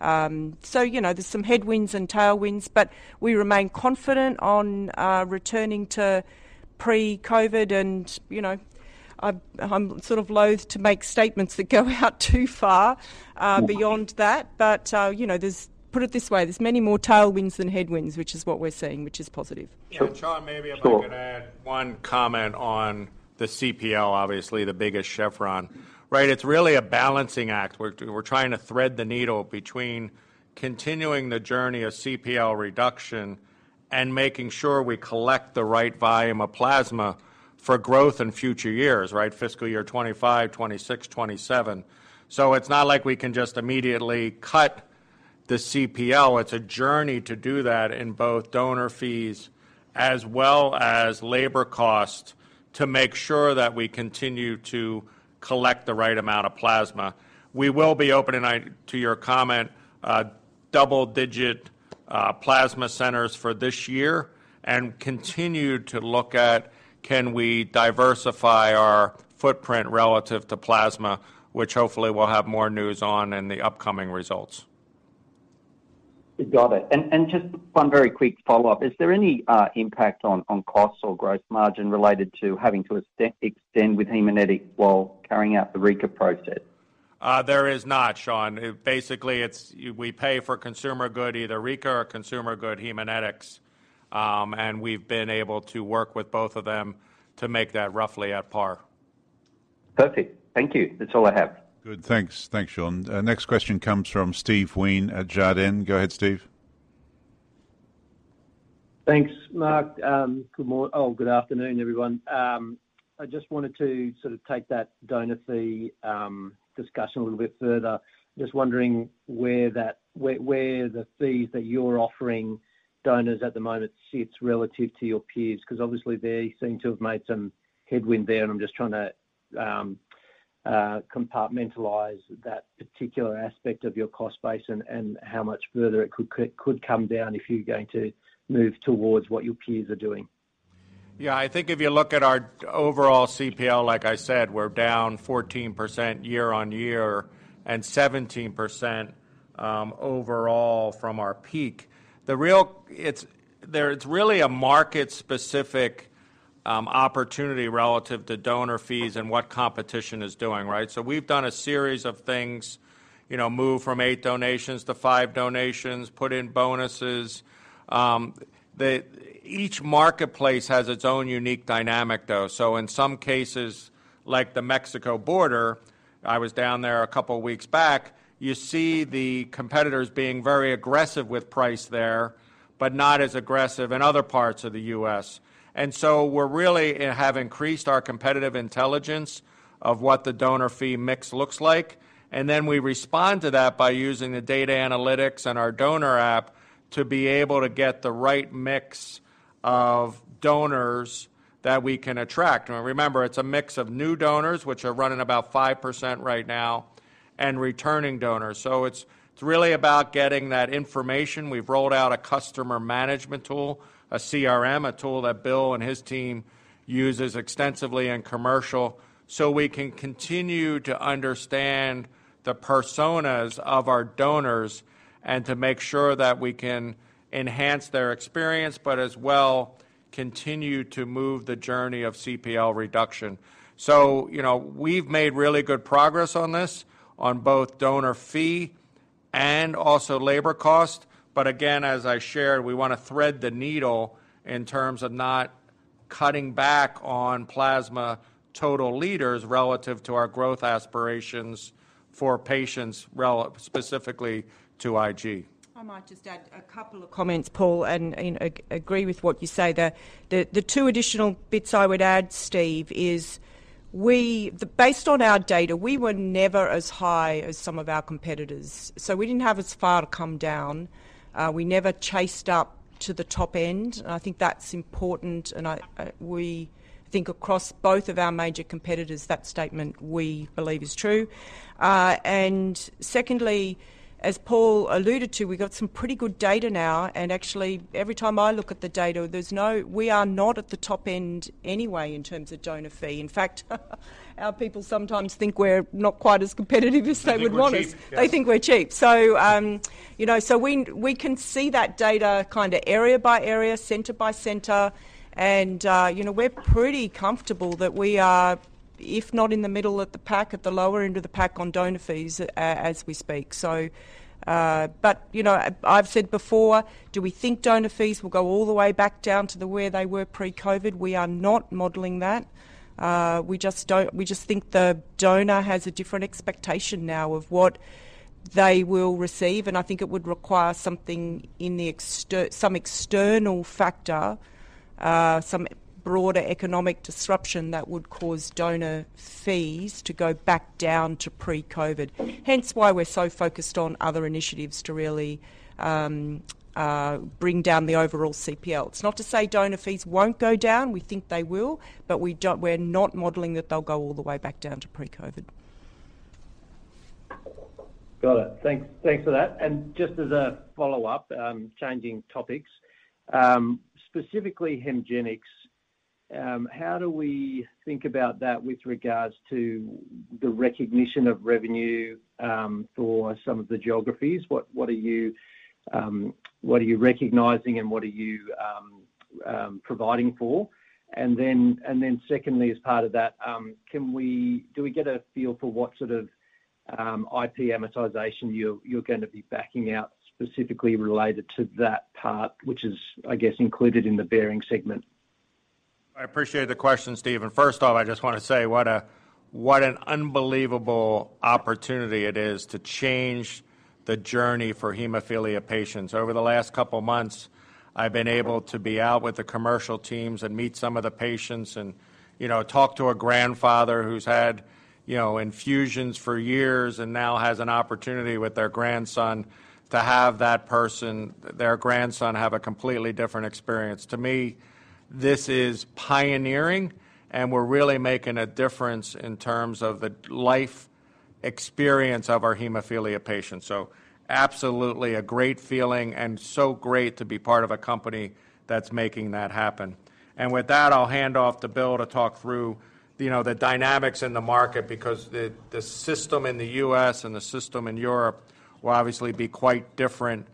You know, there's some headwinds and tailwinds, but we remain confident on returning to pre-COVID, and, you know, I'm sort of loathe to make statements that go out too far beyond that. You know, Put it this way, there's many more tailwinds than headwinds, which is what we're seeing, which is positive.
Yeah, Sean, maybe.
Sure
I'm gonna add one comment on the CPL, obviously, the biggest chevron. Right, it's really a balancing act, where we're trying to thread the needle between continuing the journey of CPL reduction and making sure we collect the right volume of plasma for growth in future years, right? Fiscal year 2025, 2026, 2027. So it's not like we can just immediately cut the CPL. It's a journey to do that in both donor fees as well as labor cost, to make sure that we continue to collect the right amount of plasma. We will be opening, to your comment, double-digit plasma centers for this year and continue to look at: Can we diversify our footprint relative to plasma? Which hopefully we'll have more news on in the upcoming results.
Got it. Just one very quick follow-up. Is there any impact on, on costs or gross margin related to having to extend with Haemonetics while carrying out the Rika process?
There is not, Sean. It basically it's-- we pay for consumables, either Rika or consumer good Haemonetics, and we've been able to work with both of them to make that roughly at par.
Perfect. Thank you. That's all I have.
Good. Thanks. Thanks, Sean. Next question comes from Steve Wheen at Jarden. Go ahead, Steve.
Thanks, Mark. good mor-- Oh, good afternoon, everyone. I just wanted to sort of take that donor fee discussion a little bit further. Just wondering where that, where, where the fees that you're offering donors at the moment sits relative to your peers, 'cause obviously they seem to have made some headwind there, and I'm just trying to compartmentalize that particular aspect of your cost base and, and how much further it could c- could come down if you're going to move towards what your peers are doing.
Yeah, I think if you look at our overall CPL, like I said, we're down 14% year on year and 17% overall from our peak. It's really a market-specific opportunity relative to donor fees and what competition is doing, right? We've done a series of things, you know, move from eight donations to five donations, put in bonuses. Each marketplace has its own unique dynamic, though. In some cases, like the Mexico border, I was down there a couple of weeks back, you see the competitors being very aggressive with price there, but not as aggressive in other parts of the U.S. We're really have increased our competitive intelligence of what the donor fee mix looks like, and then we respond to that by using the data analytics and our donor app to be able to get the right mix of donors that we can attract. Now, remember, it's a mix of new donors, which are running about 5% right now, and returning donors. It's, it's really about getting that information. We've rolled out a customer management tool, a CRM, a tool that Bill and his team uses extensively in commercial, so we can continue to understand the personas of our donors and to make sure that we can enhance their experience, but as well, continue to move the journey of CPL reduction. You know, we've made really good progress on this, on both donor fee and also labor cost. Again, as I shared, we wanna thread the needle in terms of not cutting back on plasma total liters relative to our growth aspirations for patients specifically to IG.
I might just add a couple of comments, Paul, and agree with what you say there. The two additional bits I would add, Steve, is we. Based on our data, we were never as high as some of our competitors, so we didn't have as far to come down. We never chased up to the top end, and I think that's important, and I, we think across both of our major competitors, that statement, we believe is true. Secondly, as Paul alluded to, we've got some pretty good data now, and actually, every time I look at the data, there's no, we are not at the top end anyway, in terms of donor fee. In fact, our people sometimes think we're not quite as competitive as they would want us. They think we're cheap. Yeah. They think we're cheap. You know, we, we can see that data kinda area by area, center by center, and, you know, we're pretty comfortable that we are, if not in the middle of the pack, at the lower end of the pack on donor fees, as we speak. You know, I've said before, do we think donor fees will go all the way back down to the where they were pre-COVID? We are not modeling that. We just think the donor has a different expectation now of what they will receive, and I think it would require something some external factor, some broader economic disruption that would cause donor fees to go back down to pre-COVID. Hence, why we're so focused on other initiatives to really, bring down the overall CPL. It's not to say donor fees won't go down, we think they will, but we're not modeling that they'll go all the way back down to pre-COVID.
Got it. Thanks, thanks for that. Just as a follow-up, changing topics, specifically Hemgenix, how do we think about that with regards to the recognition of revenue for some of the geographies? What, what are you, what are you recognizing and what are you providing for? Then, and then secondly, as part of that, do we get a feel for what sort of IP amortization you're, you're gonna be backing out, specifically related to that part, which is, I guess, included in the CSL Behring segment?
I appreciate the question, Steve. First off, I just wanna say what a, what an unbelievable opportunity it is to change the journey for hemophilia patients. Over the last couple of months, I've been able to be out with the commercial teams and meet some of the patients and, you know, talk to a grandfather who's had, you know, infusions for years and now has an opportunity with their grandson to have that person, their grandson, have a completely different experience. To me, this is pioneering, and we're really making a difference in terms of the experience of our hemophilia patients. Absolutely a great feeling, and so great to be part of a company that's making that happen. With that, I'll hand off to Bill to talk through, you know, the dynamics in the market, because the, the system in the US and the system in Europe will obviously be quite different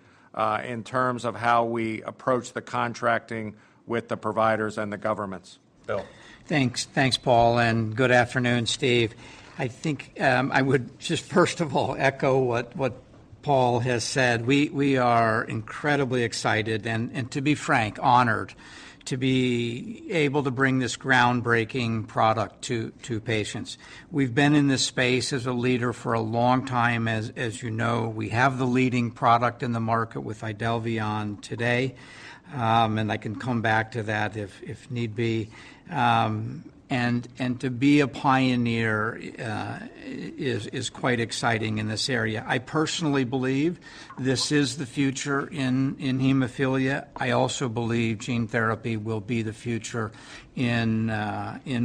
in terms of how we approach the contracting with the providers and the governments. Bill?
Thanks. Thanks, Paul, and good afternoon, Steve. I think, I would just first of all, echo what Paul has said. We are incredibly excited and to be frank, honored to be able to bring this groundbreaking product to patients. We've been in this space as a leader for a long time. As you know, we have the leading product in the market with Idelvion today, and I can come back to that if need be. To be a pioneer is quite exciting in this area. I personally believe this is the future in hemophilia. I also believe gene therapy will be the future in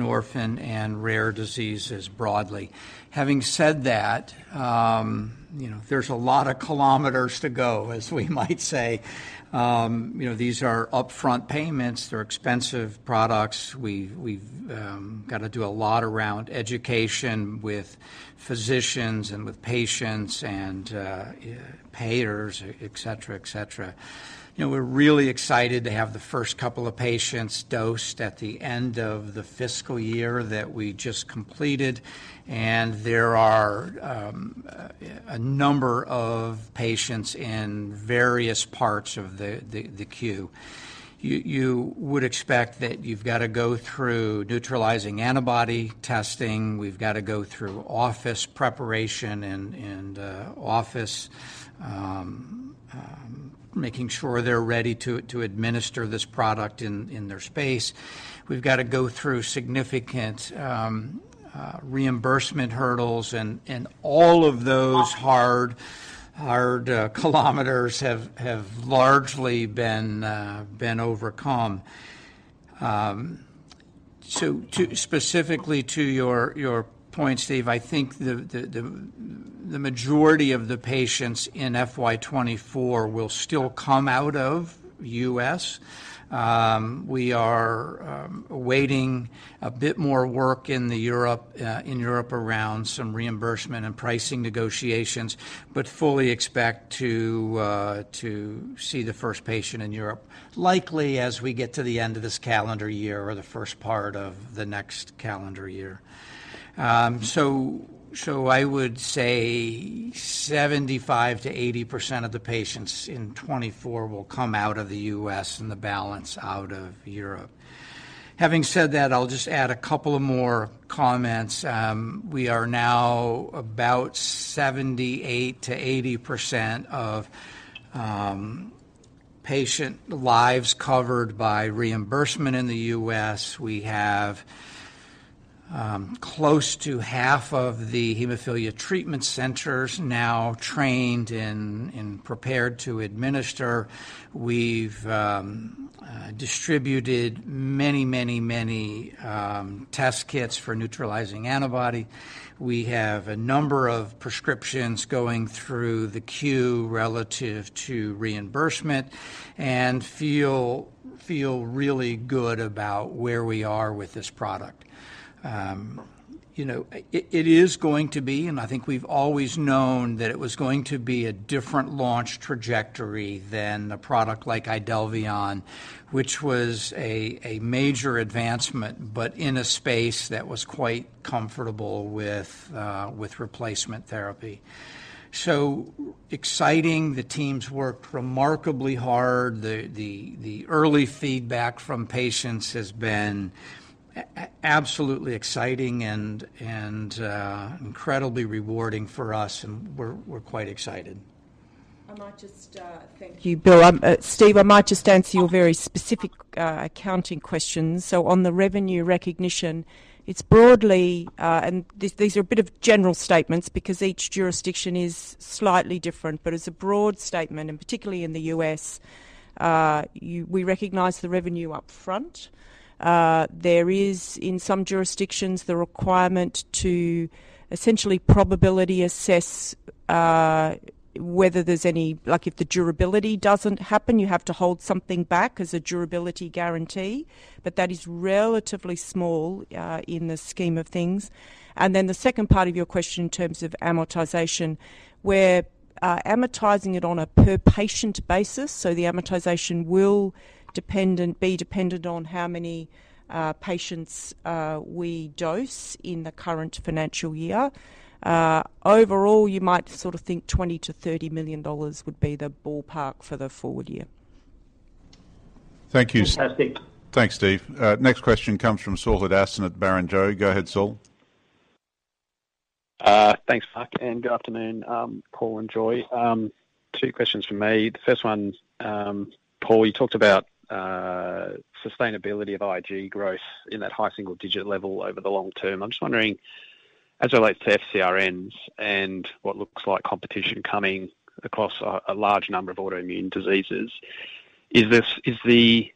orphan and rare diseases broadly. Having said that, you know, there's a lot of kilometers to go, as we might say. You know, these are upfront payments. They're expensive products. We've, we've got to do a lot around education with physicians and with patients and payers, et cetera, et cetera. You, you would expect that you've got to go through neutralizing antibody testing. We've got to go through office preparation and, and office making sure they're ready to administer this product in, in their space. We've got to go through significant reimbursement hurdles and, and all of those hard, hard kilometers have largely been overcome. To-- specifically to your, your point, Steve, I think the, the, the, the majority of the patients in FY 2024 will still come out of U.S.. We are awaiting a bit more work in the Europe, in Europe around some reimbursement and pricing negotiations, but fully expect to see the first patient in Europe, likely as we get to the end of this calendar year or the first part of the next calendar year. I would say 75%-80% of the patients in 2024 will come out of the U.S., and the balance out of Europe. Having said that, I'll just add a couple of more comments. We are now about 78%-80% of patient lives covered by reimbursement in the U.S. We have close to half of the hemophilia treatment centers now trained and prepared to administer. We've distributed many, many, many test kits for neutralizing antibody. We have a number of prescriptions going through the queue relative to reimbursement and feel really good about where we are with this product. You know, it is going to be, and I think we've always known that it was going to be a different launch trajectory than a product like Idelvion, which was a major advancement, but in a space that was quite comfortable with replacement therapy. Exciting. The early feedback from patients has been absolutely exciting and incredibly rewarding for us, and we're quite excited.
I might just. Thank you, Bill. Steve, I might just answer your very specific accounting questions. On the revenue recognition, it's broadly, and these, these are a bit of general statements because each jurisdiction is slightly different, but as a broad statement, and particularly in the U.S., we recognize the revenue upfront. There is, in some jurisdictions, the requirement to essentially probability assess whether there's any, if the durability doesn't happen, you have to hold something back as a durability guarantee, but that is relatively small in the scheme of things. The second part of your question, in terms of amortization, we're amortizing it on a per-patient basis, so the amortization will be dependent on how many patients we dose in the current financial year. Overall, you might sort of think $20 million-$30 million would be the ballpark for the forward year.
Thank you.
Fantastic.
Thanks, Steve. Next question comes from Saul Hadassin at Barrenjoey. Go ahead, Saul.
Thanks, Mark, and good afternoon, Paul and Joy. Two questions from me. The first one, Paul, you talked about sustainability of IG growth in that high single-digit level over the long term. I'm just wondering, as it relates to FcRns and what looks like competition coming across a large number of autoimmune diseases. Is the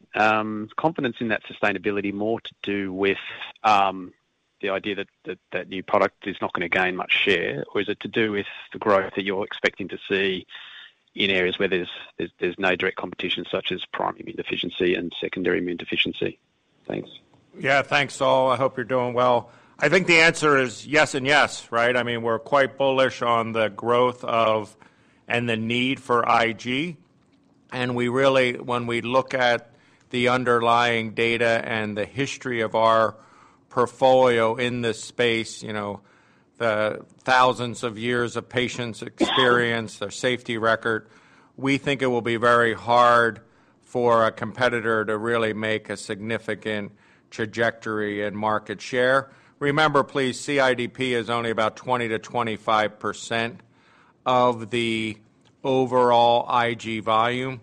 confidence in that sustainability more to do with the idea that new product is not going to gain much share? Or is it to do with the growth that you're expecting to see in areas where there's no direct competition, such as primary immunodeficiency and secondary immunodeficiency? Thanks.
Yeah, thanks, Saul. I hope you're doing well. I think the answer is yes and yes, right? I mean, we're quite bullish on the growth of, and the need for IG. We really, when we look at the underlying data and the history of our portfolio in this space, you know, the thousands of years of patients' experience, their safety record, we think it will be very hard for a competitor to really make a significant trajectory in market share. Remember, please, CIDP is only about 20%-25% of the overall IG volume.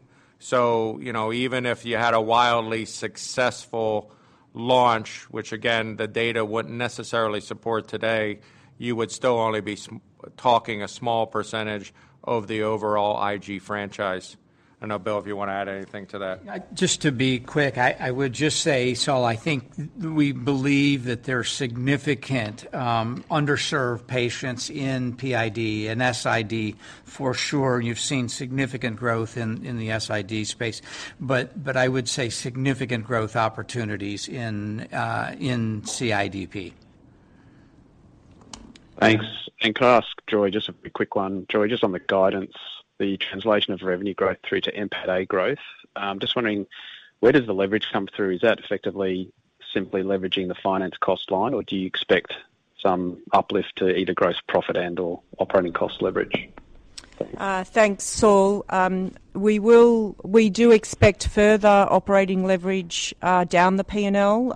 You know, even if you had a wildly successful launch, which again, the data wouldn't necessarily support today, you would still only be talking a small percentage of the overall IG franchise. I know, Bill, if you want to add anything to that.
Just to be quick, I, I would just say, Saul, I think we believe that there are significant, underserved patients in PID and SID for sure. You've seen significant growth in, in the SID space, but, but I would say significant growth opportunities in CIDP.
Thanks. Could I ask Joy just a quick one? Joy, just on the guidance, the translation of revenue growth through to NPAT growth. Just wondering, where does the leverage come through? Is that effectively simply leveraging the finance cost line, or do you expect some uplift to either gross profit and/or operating cost leverage?
Thanks, Saul. We will... We do expect further operating leverage down the P&L,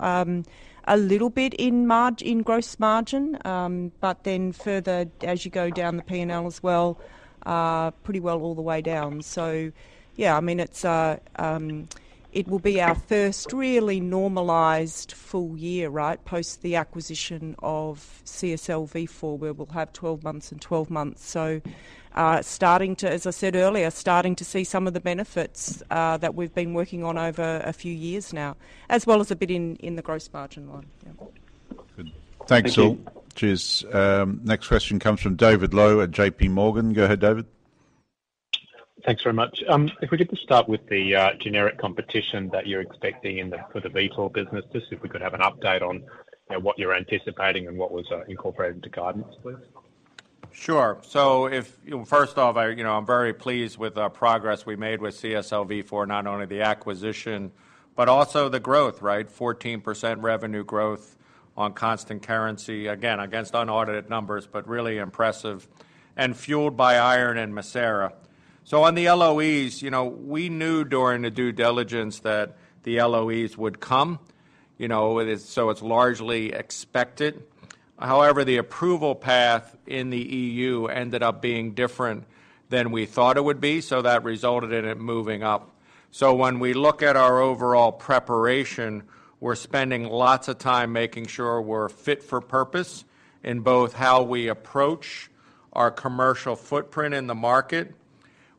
a little bit in marg- in gross margin, but then further as you go down the P&L as well, pretty well all the way down. Yeah, I mean, it's, it will be our first really normalized full year, right? Post the acquisition of CSL Vifor, where we'll have 12 months and 12 months. Starting to, as I said earlier, starting to see some of the benefits that we've been working on over a few years now, as well as a bit in, in the gross margin line. Yeah.
Good. Thanks, all.
Thank you.
Cheers. next question comes from David Low at JPMorgan Chase. Go ahead, David.
Thanks very much. If we could just start with the generic competition that you're expecting in the, for the Vifor business. Just if we could have an update on what you're anticipating and what was incorporated into guidance, please.
Sure. First off, I, you know, I'm very pleased with the progress we made with CSL Vifor not only the acquisition but also the growth, right? 14% revenue growth on constant currency, again, against unaudited numbers, but really impressive and fueled by iron and Mircera. On the LOEs, you know, we knew during the due diligence that the LOEs would come, you know, it's largely expected. However, the approval path in the EU ended up being different than we thought it would be, so that resulted in it moving up. When we look at our overall preparation, we're spending lots of time making sure we're fit for purpose in both how we approach our commercial footprint in the market.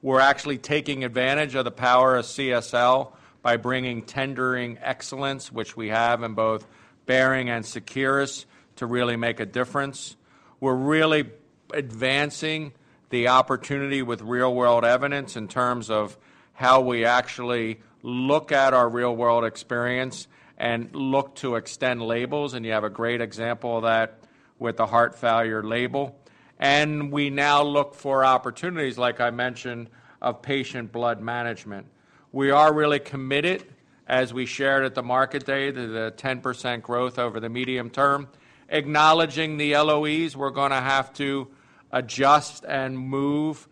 We're actually taking advantage of the power of CSL by bringing tendering excellence, which we have in both Behring and Seqirus, to really make a difference. We're really advancing the opportunity with real-world evidence in terms of how we actually look at our real-world experience and look to extend labels, and you have a great example of that with the heart failure label. We now look for opportunities, like I mentioned, of patient blood management. We are really committed, as we shared at the market day, to the 10% growth over the medium term. Acknowledging the LOEs, we're gonna have to adjust and move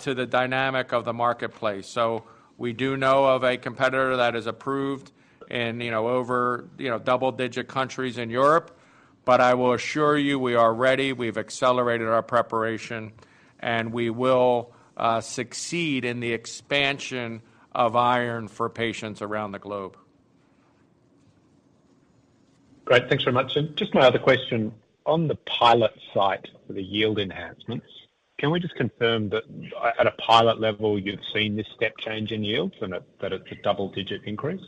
to the dynamic of the marketplace. We do know of a competitor that is approved in, you know, over double-digit countries in Europe. I will assure you, we are ready, we've accelerated our preparation, and we will succeed in the expansion of iron for patients around the globe.
Great. Thanks very much. Just my other question, on the pilot site for the yield enhancements, can we just confirm that at a pilot level, you've seen this step change in yields and that it's a double-digit increase?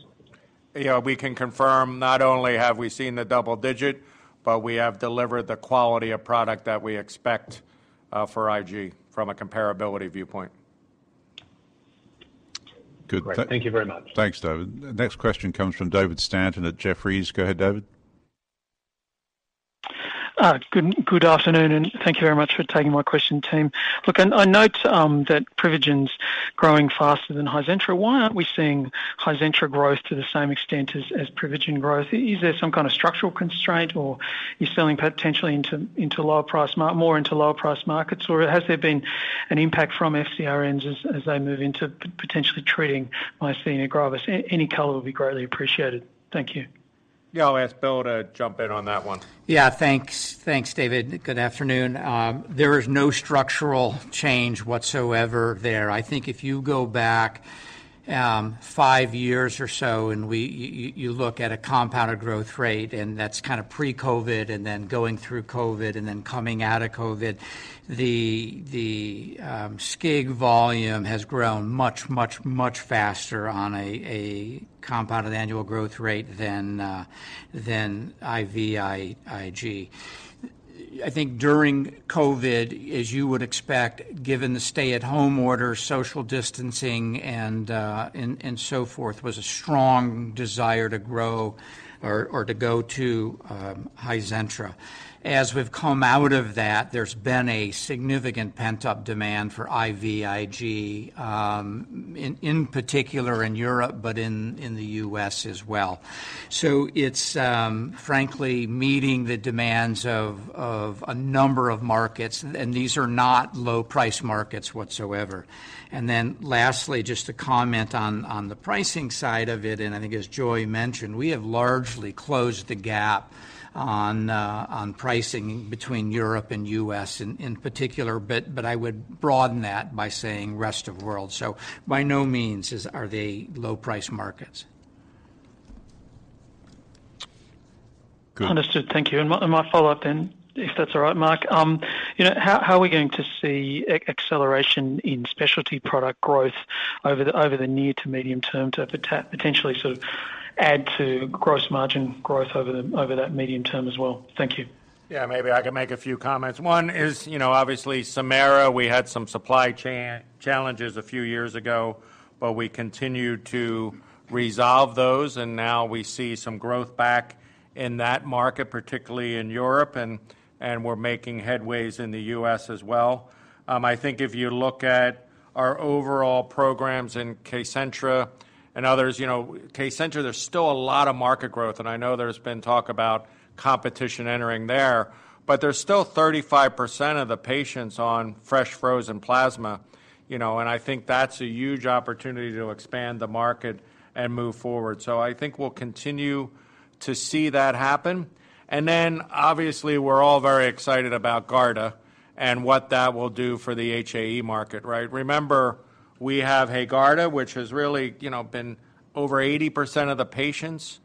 Yeah, we can confirm, not only have we seen the double digit, but we have delivered the quality of product that we expect for IG from a comparability viewpoint.
Good.
Great. Thank you very much.
Thanks, David. Next question comes from David Stanton at Jefferies. Go ahead, David.
Good, good afternoon, and thank you very much for taking my question, team. Look, I, I note that Privigen's growing faster than HIZENTRA. Why aren't we seeing HIZENTRA growth to the same extent as, as Privigen growth? Is there some kind of structural constraint, or you're selling potentially into, into lower price more into lower price markets, or has there been an impact from FcRn as, as they move into potentially treating myasthenia gravis? Any color will be greatly appreciated. Thank you.
Yeah. I'll ask Bill to jump in on that one.
Yeah, thanks. Thanks, David. Good afternoon. There is no structural change whatsoever there. I think if you go back, five years or so, and we, you look at a compounded growth rate, and that's kind of pre-COVID, and then going through COVID, and then coming out of COVID, the, the, SCIG volume has grown much, much, much faster on a, a compounded annual growth rate than IVIG. I think during COVID, as you would expect, given the stay-at-home order, social distancing, and, and so forth, was a strong desire to grow or, or to go to HIZENTRA. As we've come out of that, there's been a significant pent-up demand for IVIG, in, in particular in Europe, but in, in the US as well. It's, frankly, meeting the demands of, of a number of markets, and these are not low-price markets whatsoever. Lastly, just to comment on, on the pricing side of it, and I think as Joy mentioned, we have largely closed the gap on, on pricing between Europe and U.S. in, in particular, but, but I would broaden that by saying rest of world. By no means are they low-price markets.
Good.
Understood. Thank you. My follow-up then, if that's all right, Mark. You know, how, how are we going to see acceleration in specialty product growth over the, over the near to medium term to potentially sort of add to gross margin growth over the, over that medium term as well? Thank you.
Yeah, mhybe I can make a few comments. One is, you know, obviously, Mircera, we had some supply challenges a few years ago, but we continued to resolve those, and now we see some growth back in that market, particularly in Europe, and, and we're making headways in the U.S. as well. I think if you look at our overall programs in Kcentra and others, you know, Kcentra, there's still a lot of market growth, and I know there's been talk about competition entering there, but there's still 35% of the patients on fresh frozen plasma, you know, and I think that's a huge opportunity to expand the market and move forward. I think we'll continue to see that happen. Obviously, we're all very excited about Garda and what that will do for the HAE market, right? We have Haegarda, which has really, you know, been over 80% of the patients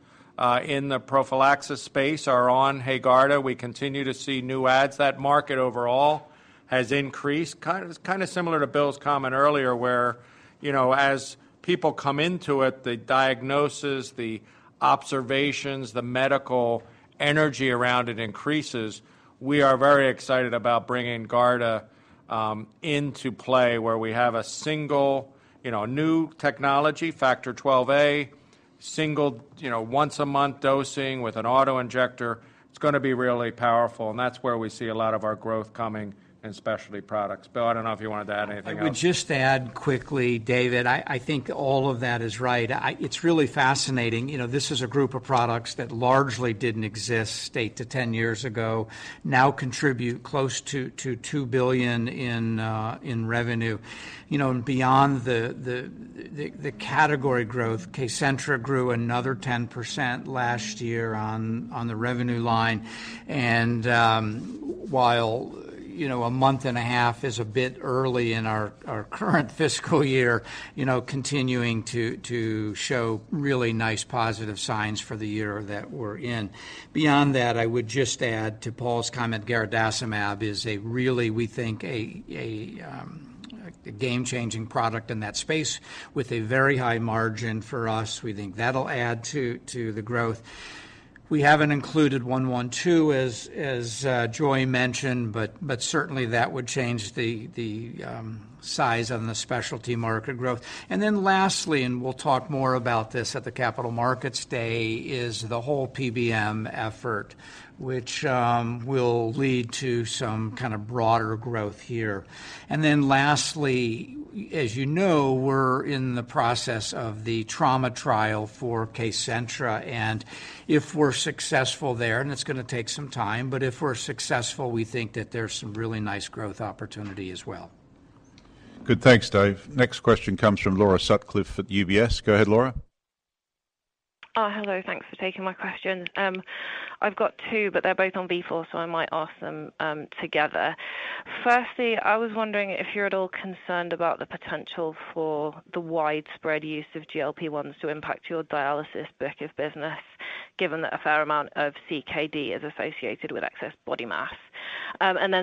in the prophylaxis space are on Haegarda. We continue to see new adds. That market overall has increased. It's kinda similar to Bill's comment earlier, where, you know, as people come into it, the diagnosis, the observations, the medical energy around it increases. We are very excited about bringing Garda into play, where we have a single, you know, new technology, Factor XIIa, single, you know, once-a-month dosing with an auto-injector. It's gonna be really powerful, and that's where we see a lot of our growth coming in specialty products. Bill, I don't know if you wanted to add anything else.
I would just add quickly, David, I, I think all of that is right. It's really fascinating. You know, this is a group of products that largely didn't exist eight-10 years ago, now contribute close to $2 billion in revenue. You know, and beyond the, the, the, the category growth, Kcentra grew another 10% last year on, on the revenue line, and, while, you know, a month and a half is a bit early in our, our current fiscal year, you know, continuing to, to show really nice, positive signs for the year that we're in. Beyond that, I would just add to Paul's comment, garadacimab is a really, we think, a, a, a game-changing product in that space with a very high margin for us. We think that'll add to, to the growth. We haven't included CSL112, as, as, Joy mentioned, but, but certainly, that would change the, the, size on the specialty market growth. Lastly, and we'll talk more about this at the Capital Markets Day, is the whole PBM effort, which, will lead to some kind of broader growth here. Lastly, as you know, we're in the process of the trauma trial for Kcentra, and if we're successful there, and it's gonna take some time, but if we're successful, we think that there's some really nice growth opportunity as well.
Good. Thanks, Dave. Next question comes from Laura Sutcliffe at UBS. Go ahead, Laura.
Hello, thanks for taking my question. I've got two, but they're both on Vifor, I might ask them together. Firstly, I was wondering if you're at all concerned about the potential for the widespread use of GLP-1s to impact your dialysis business, given that a fair amount of CKD is associated with excess body mass?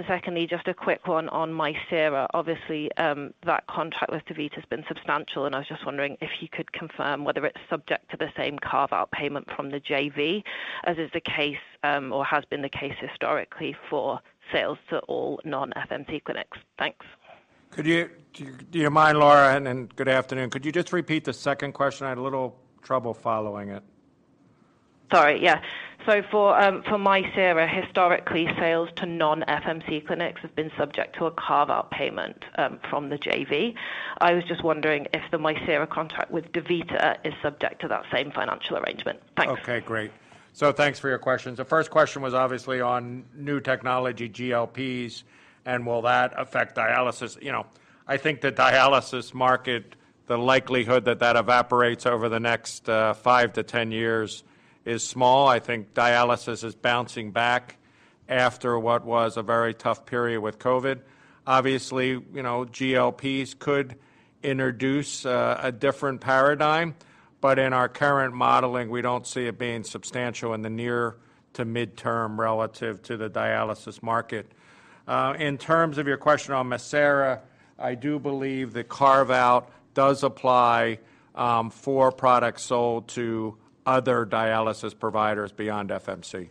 Secondly, just a quick one on Mircera. Obviously, that contract with DaVita has been substantial, I was just wondering if you could confirm whether it's subject to the same carve-out payment from the JV, as is the case, or has been the case historically for sales to all non-FMC clinics. Thanks.
Could you... Do you mind, Laura, and good afternoon. Could you just repeat the second question? I had a little trouble following it.
Sorry, yeah. For, for Mircera, historically, sales to non-FMC clinics have been subject to a carve-out payment from the JV. I was just wondering if the Mircera contract with DaVita is subject to that same financial arrangement. Thanks.
Okay, great. Thanks for your questions. The first question was obviously on new technology, GLPs, and will that affect dialysis? You know, I think the dialysis market, the likelihood that that evaporates over the next 5-10 years is small. I think dialysis is bouncing back after what was a very tough period with COVID. Obviously, you know, GLPs could introduce a different paradigm, but in our current modeling, we don't see it being substantial in the near to midterm relative to the dialysis market. In terms of your question on Mircera, I do believe the carve-out does apply for products sold to other dialysis providers beyond FMC.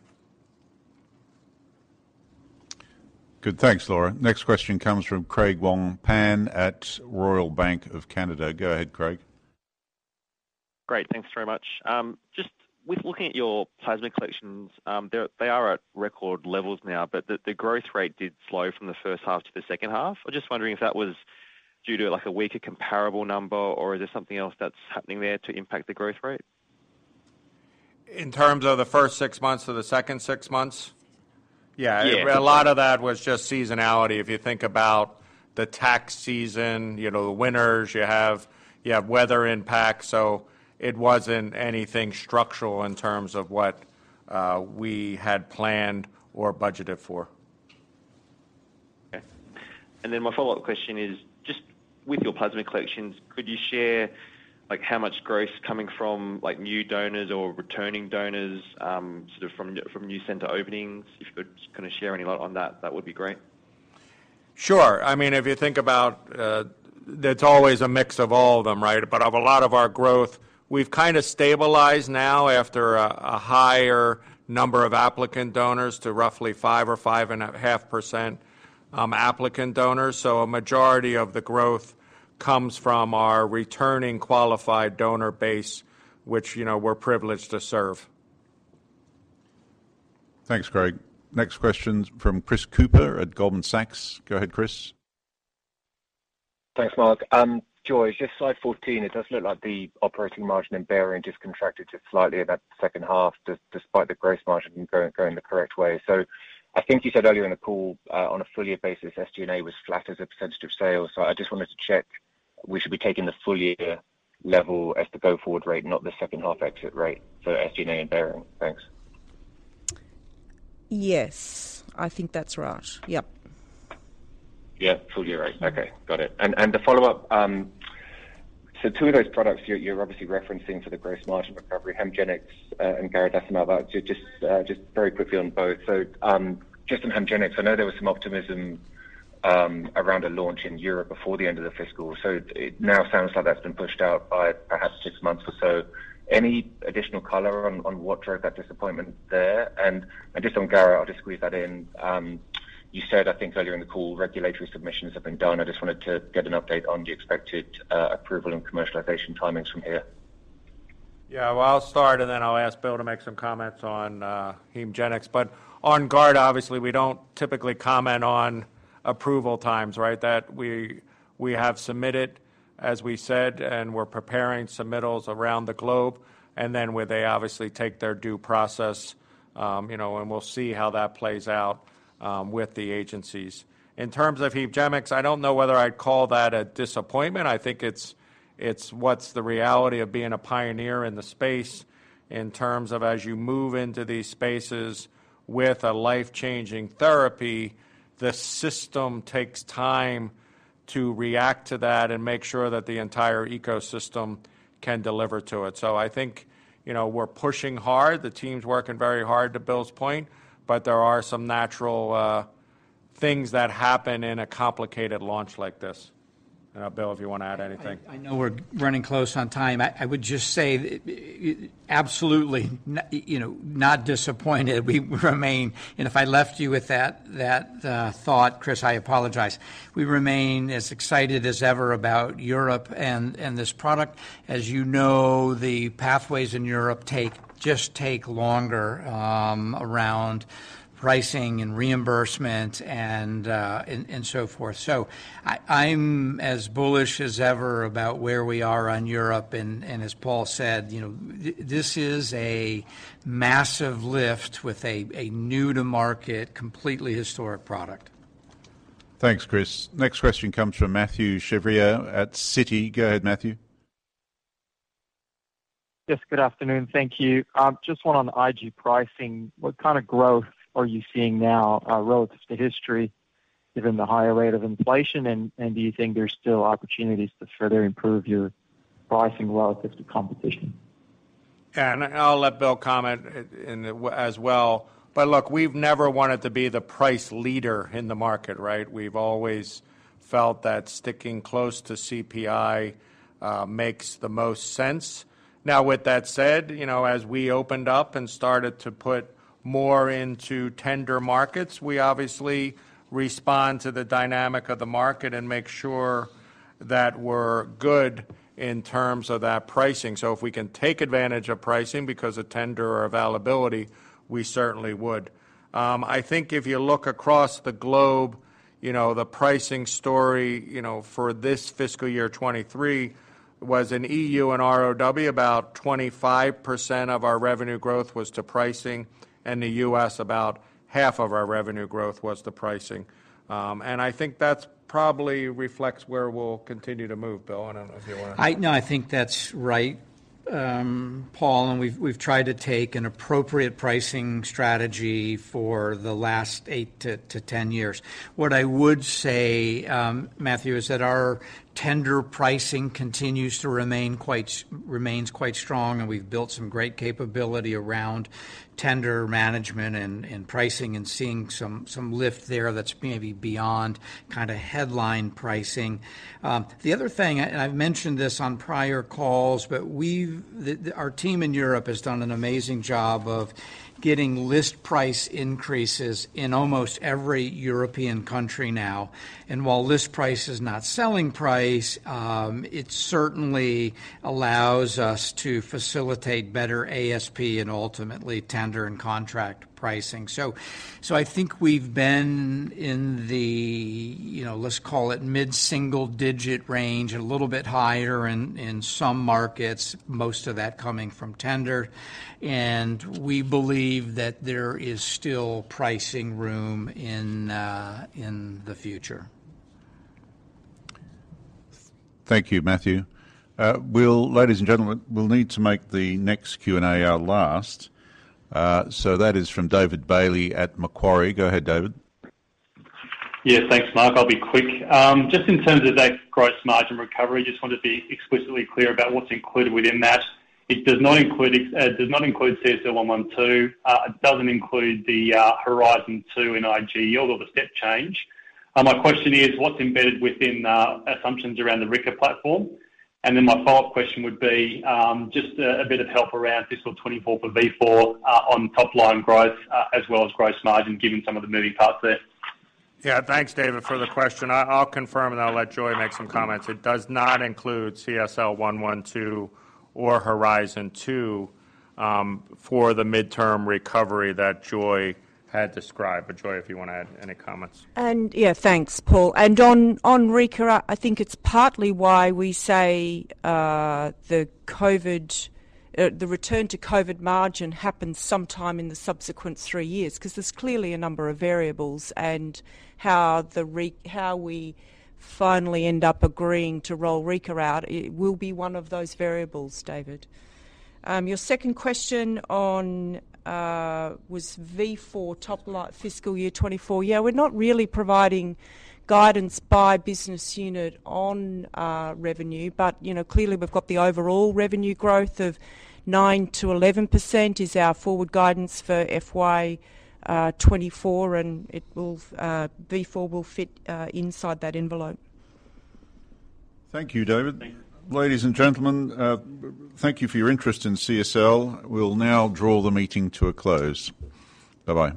Good. Thanks, Laura. Next question comes from Craig Wong-Pan at Royal Bank of Canada. Go ahead, Craig.
Great, thanks very much. just with looking at your plasma collections, they're, they are at record levels now, but the, the growth rate did slow from the first half to the second half. I'm just wondering if that was due to, like, a weaker comparable number, or is there something else that's happening there to impact the growth rate?
In terms of the first six months to the second six months?
Yeah.
Yeah, a lot of that was just seasonality. If you think about the tax season, you know, the winters, you have, you have weather impacts, so it wasn't anything structural in terms of what we had planned or budgeted for.
Okay. Then my follow-up question is, just with your plasma collections, could you share, like, how much growth is coming from, like, new donors or returning donors, sort of from from new center openings? If you could kinda share any light on that, that would be great.
Sure. I mean, if you think about... It's always a mix of all of them, right? Of a lot of our growth, we've kind of stabilized now after a, a higher number of applicant donors to roughly 5% or 5.5%, applicant donors. A majority of the growth comes from our returning qualified donor base, which, you know, we're privileged to serve.
Thanks, Craig. Next question's from Chris Cooper at Goldman Sachs. Go ahead, Chris.
Thanks, Mark. Joy, just slide 14, it does look like the operating margin in Behring just contracted just slightly in that second half, despite the growth margin going the correct way. I think you said earlier in the call, on a full year basis, SG&A was flat as a % of sales. I just wanted to check, we should be taking the full year level as the go-forward rate, not the second half exit rate for SG&A and Behring. Thanks.
Yes, I think that's right. Yep.
Yeah, full year, right. Okay, got it. The follow-up, Two of those products you're, you're obviously referencing for the gross margin recovery, Hemgenix, and garadacimab. Just, just very quickly on both. Just on Hemgenix, I know there was some optimism around a launch in Europe before the end of the fiscal. It now sounds like that's been pushed out by perhaps six months or so. Any additional color on, on what drove that disappointment there? Just on Gara, I'll just squeeze that in. You said, I think earlier in the call, regulatory submissions have been done. I just wanted to get an update on the expected approval and commercialization timings from here.
Yeah, well, I'll start, and then I'll ask Bill to make some comments on Hemgenix. On garadacimab, obviously, we don't typically comment on approval times, right? That we, we have submitted, as we said, and we're preparing submittals around the globe, and then where they obviously take their due process, you know, and we'll see how that plays out with the agencies. In terms of Hemgenix, I don't know whether I'd call that a disappointment. I think it's, it's what's the reality of being a pioneer in the space in terms of as you move into these spaces with a life-changing therapy, the system takes time to react to that and make sure that the entire ecosystem can deliver to it. I think, you know, we're pushing hard. The team's working very hard, to Bill's point, but there are some natural things that happen in a complicated launch like this. Bill, if you want to add anything.
I, I know we're running close on time. I, I would just say, absolutely you know, not disappointed. We remain, and if I left you with that, that thought, Chris, I apologize. We remain as excited as ever about Europe and, and this product. As you know, the pathways in Europe take, just take longer, around pricing and reimbursement and, and so forth. I, I'm as bullish as ever about where we are on Europe, and, and as Paul said, you know, this is a massive lift with a, a new-to-market, completely historic product.
Thanks, Chris. Next question comes from Mathieu Chevrier at Citi. Go ahead, Mathieu.
Yes, good afternoon. Thank you. Just one on the IG pricing. What kind of growth are you seeing now, relative to history, given the higher rate of inflation, and, and do you think there's still opportunities to further improve your pricing relative to competition?
Yeah, I'll let Bill comment as well. Look, we've never wanted to be the price leader in the market, right? We've always felt that sticking close to CPI makes the most sense. Now, with that said, you know, as we opened up and started to put more into tender markets, we obviously respond to the dynamic of the market and make sure that we're good in terms of that pricing. If we can take advantage of pricing because of tender or availability, we certainly would. I think if you look across the globe, you know, the pricing story, you know, for this fiscal year 2023 was in EU and ROW, about 25% of our revenue growth was to pricing, and the U.S., about 50% of our revenue growth was to pricing. I think that's probably reflects where we'll continue to move. Bill, I don't know if you wanna...
No, I think that's right, Paul. We've tried to take an appropriate pricing strategy for the last eight-10 years. What I would say, Mathieu, is that our tender pricing continues to remain quite strong, and we've built some great capability around tender management and pricing and seeing some lift there that's maybe beyond kinda headline pricing. The other thing, I've mentioned this on prior calls, but the, our team in Europe has done an amazing job of getting list price increases in almost every European country now. While list price is not selling price, it certainly allows us to facilitate better ASP and ultimately tender and contract pricing. I think we've been in the, you know, let's call it mid-single digit range, a little bit higher in, in some markets, most of that coming from tender. We believe that there is still pricing room in, in the future.
Thank you, Mathieu. we'll-- ladies and gentlemen, we'll need to make the next Q&A our last. That is from David Bailey at Macquarie. Go ahead, David.
Yeah, thanks, Mark. I'll be quick. Just in terms of that gross margin recovery, just wanted to be explicitly clear about what's included within that. It does not include does not include CSL112. It doesn't include the Horizon 2 in IG or the step change. My question is, what's embedded within assumptions around the Rika platform? And then my follow-up question would be, just a bit of help around fiscal 2024 for V4 on top line growth, as well as gross margin, given some of the moving parts there.
Yeah. Thanks, David, for the question. I'll confirm, and I'll let Joy make some comments. It does not include CSL112 or Horizon 2, for the midterm recovery that Joy had described. Joy, if you wanna add any comments.
Yeah, thanks, Paul. On, on Rika, I, I think it's partly why we say, the COVID, the return to COVID margin happens sometime in the subsequent three years. 'Cause there's clearly a number of variables, and how the Ri... how we finally end up agreeing to roll Rika out, it will be one of those variables, David. Your second question on, was V4 top line fiscal year 2024. Yeah, we're not really providing guidance by business unit on, revenue, but, you know, clearly we've got the overall revenue growth of 9%-11%, is our forward guidance for FY 2024, and it will, V4 will fit, inside that envelope.
Thank you, David.
Thank you.
Ladies and gentlemen, thank you for your interest in CSL. We'll now draw the meeting to a close. Bye-bye.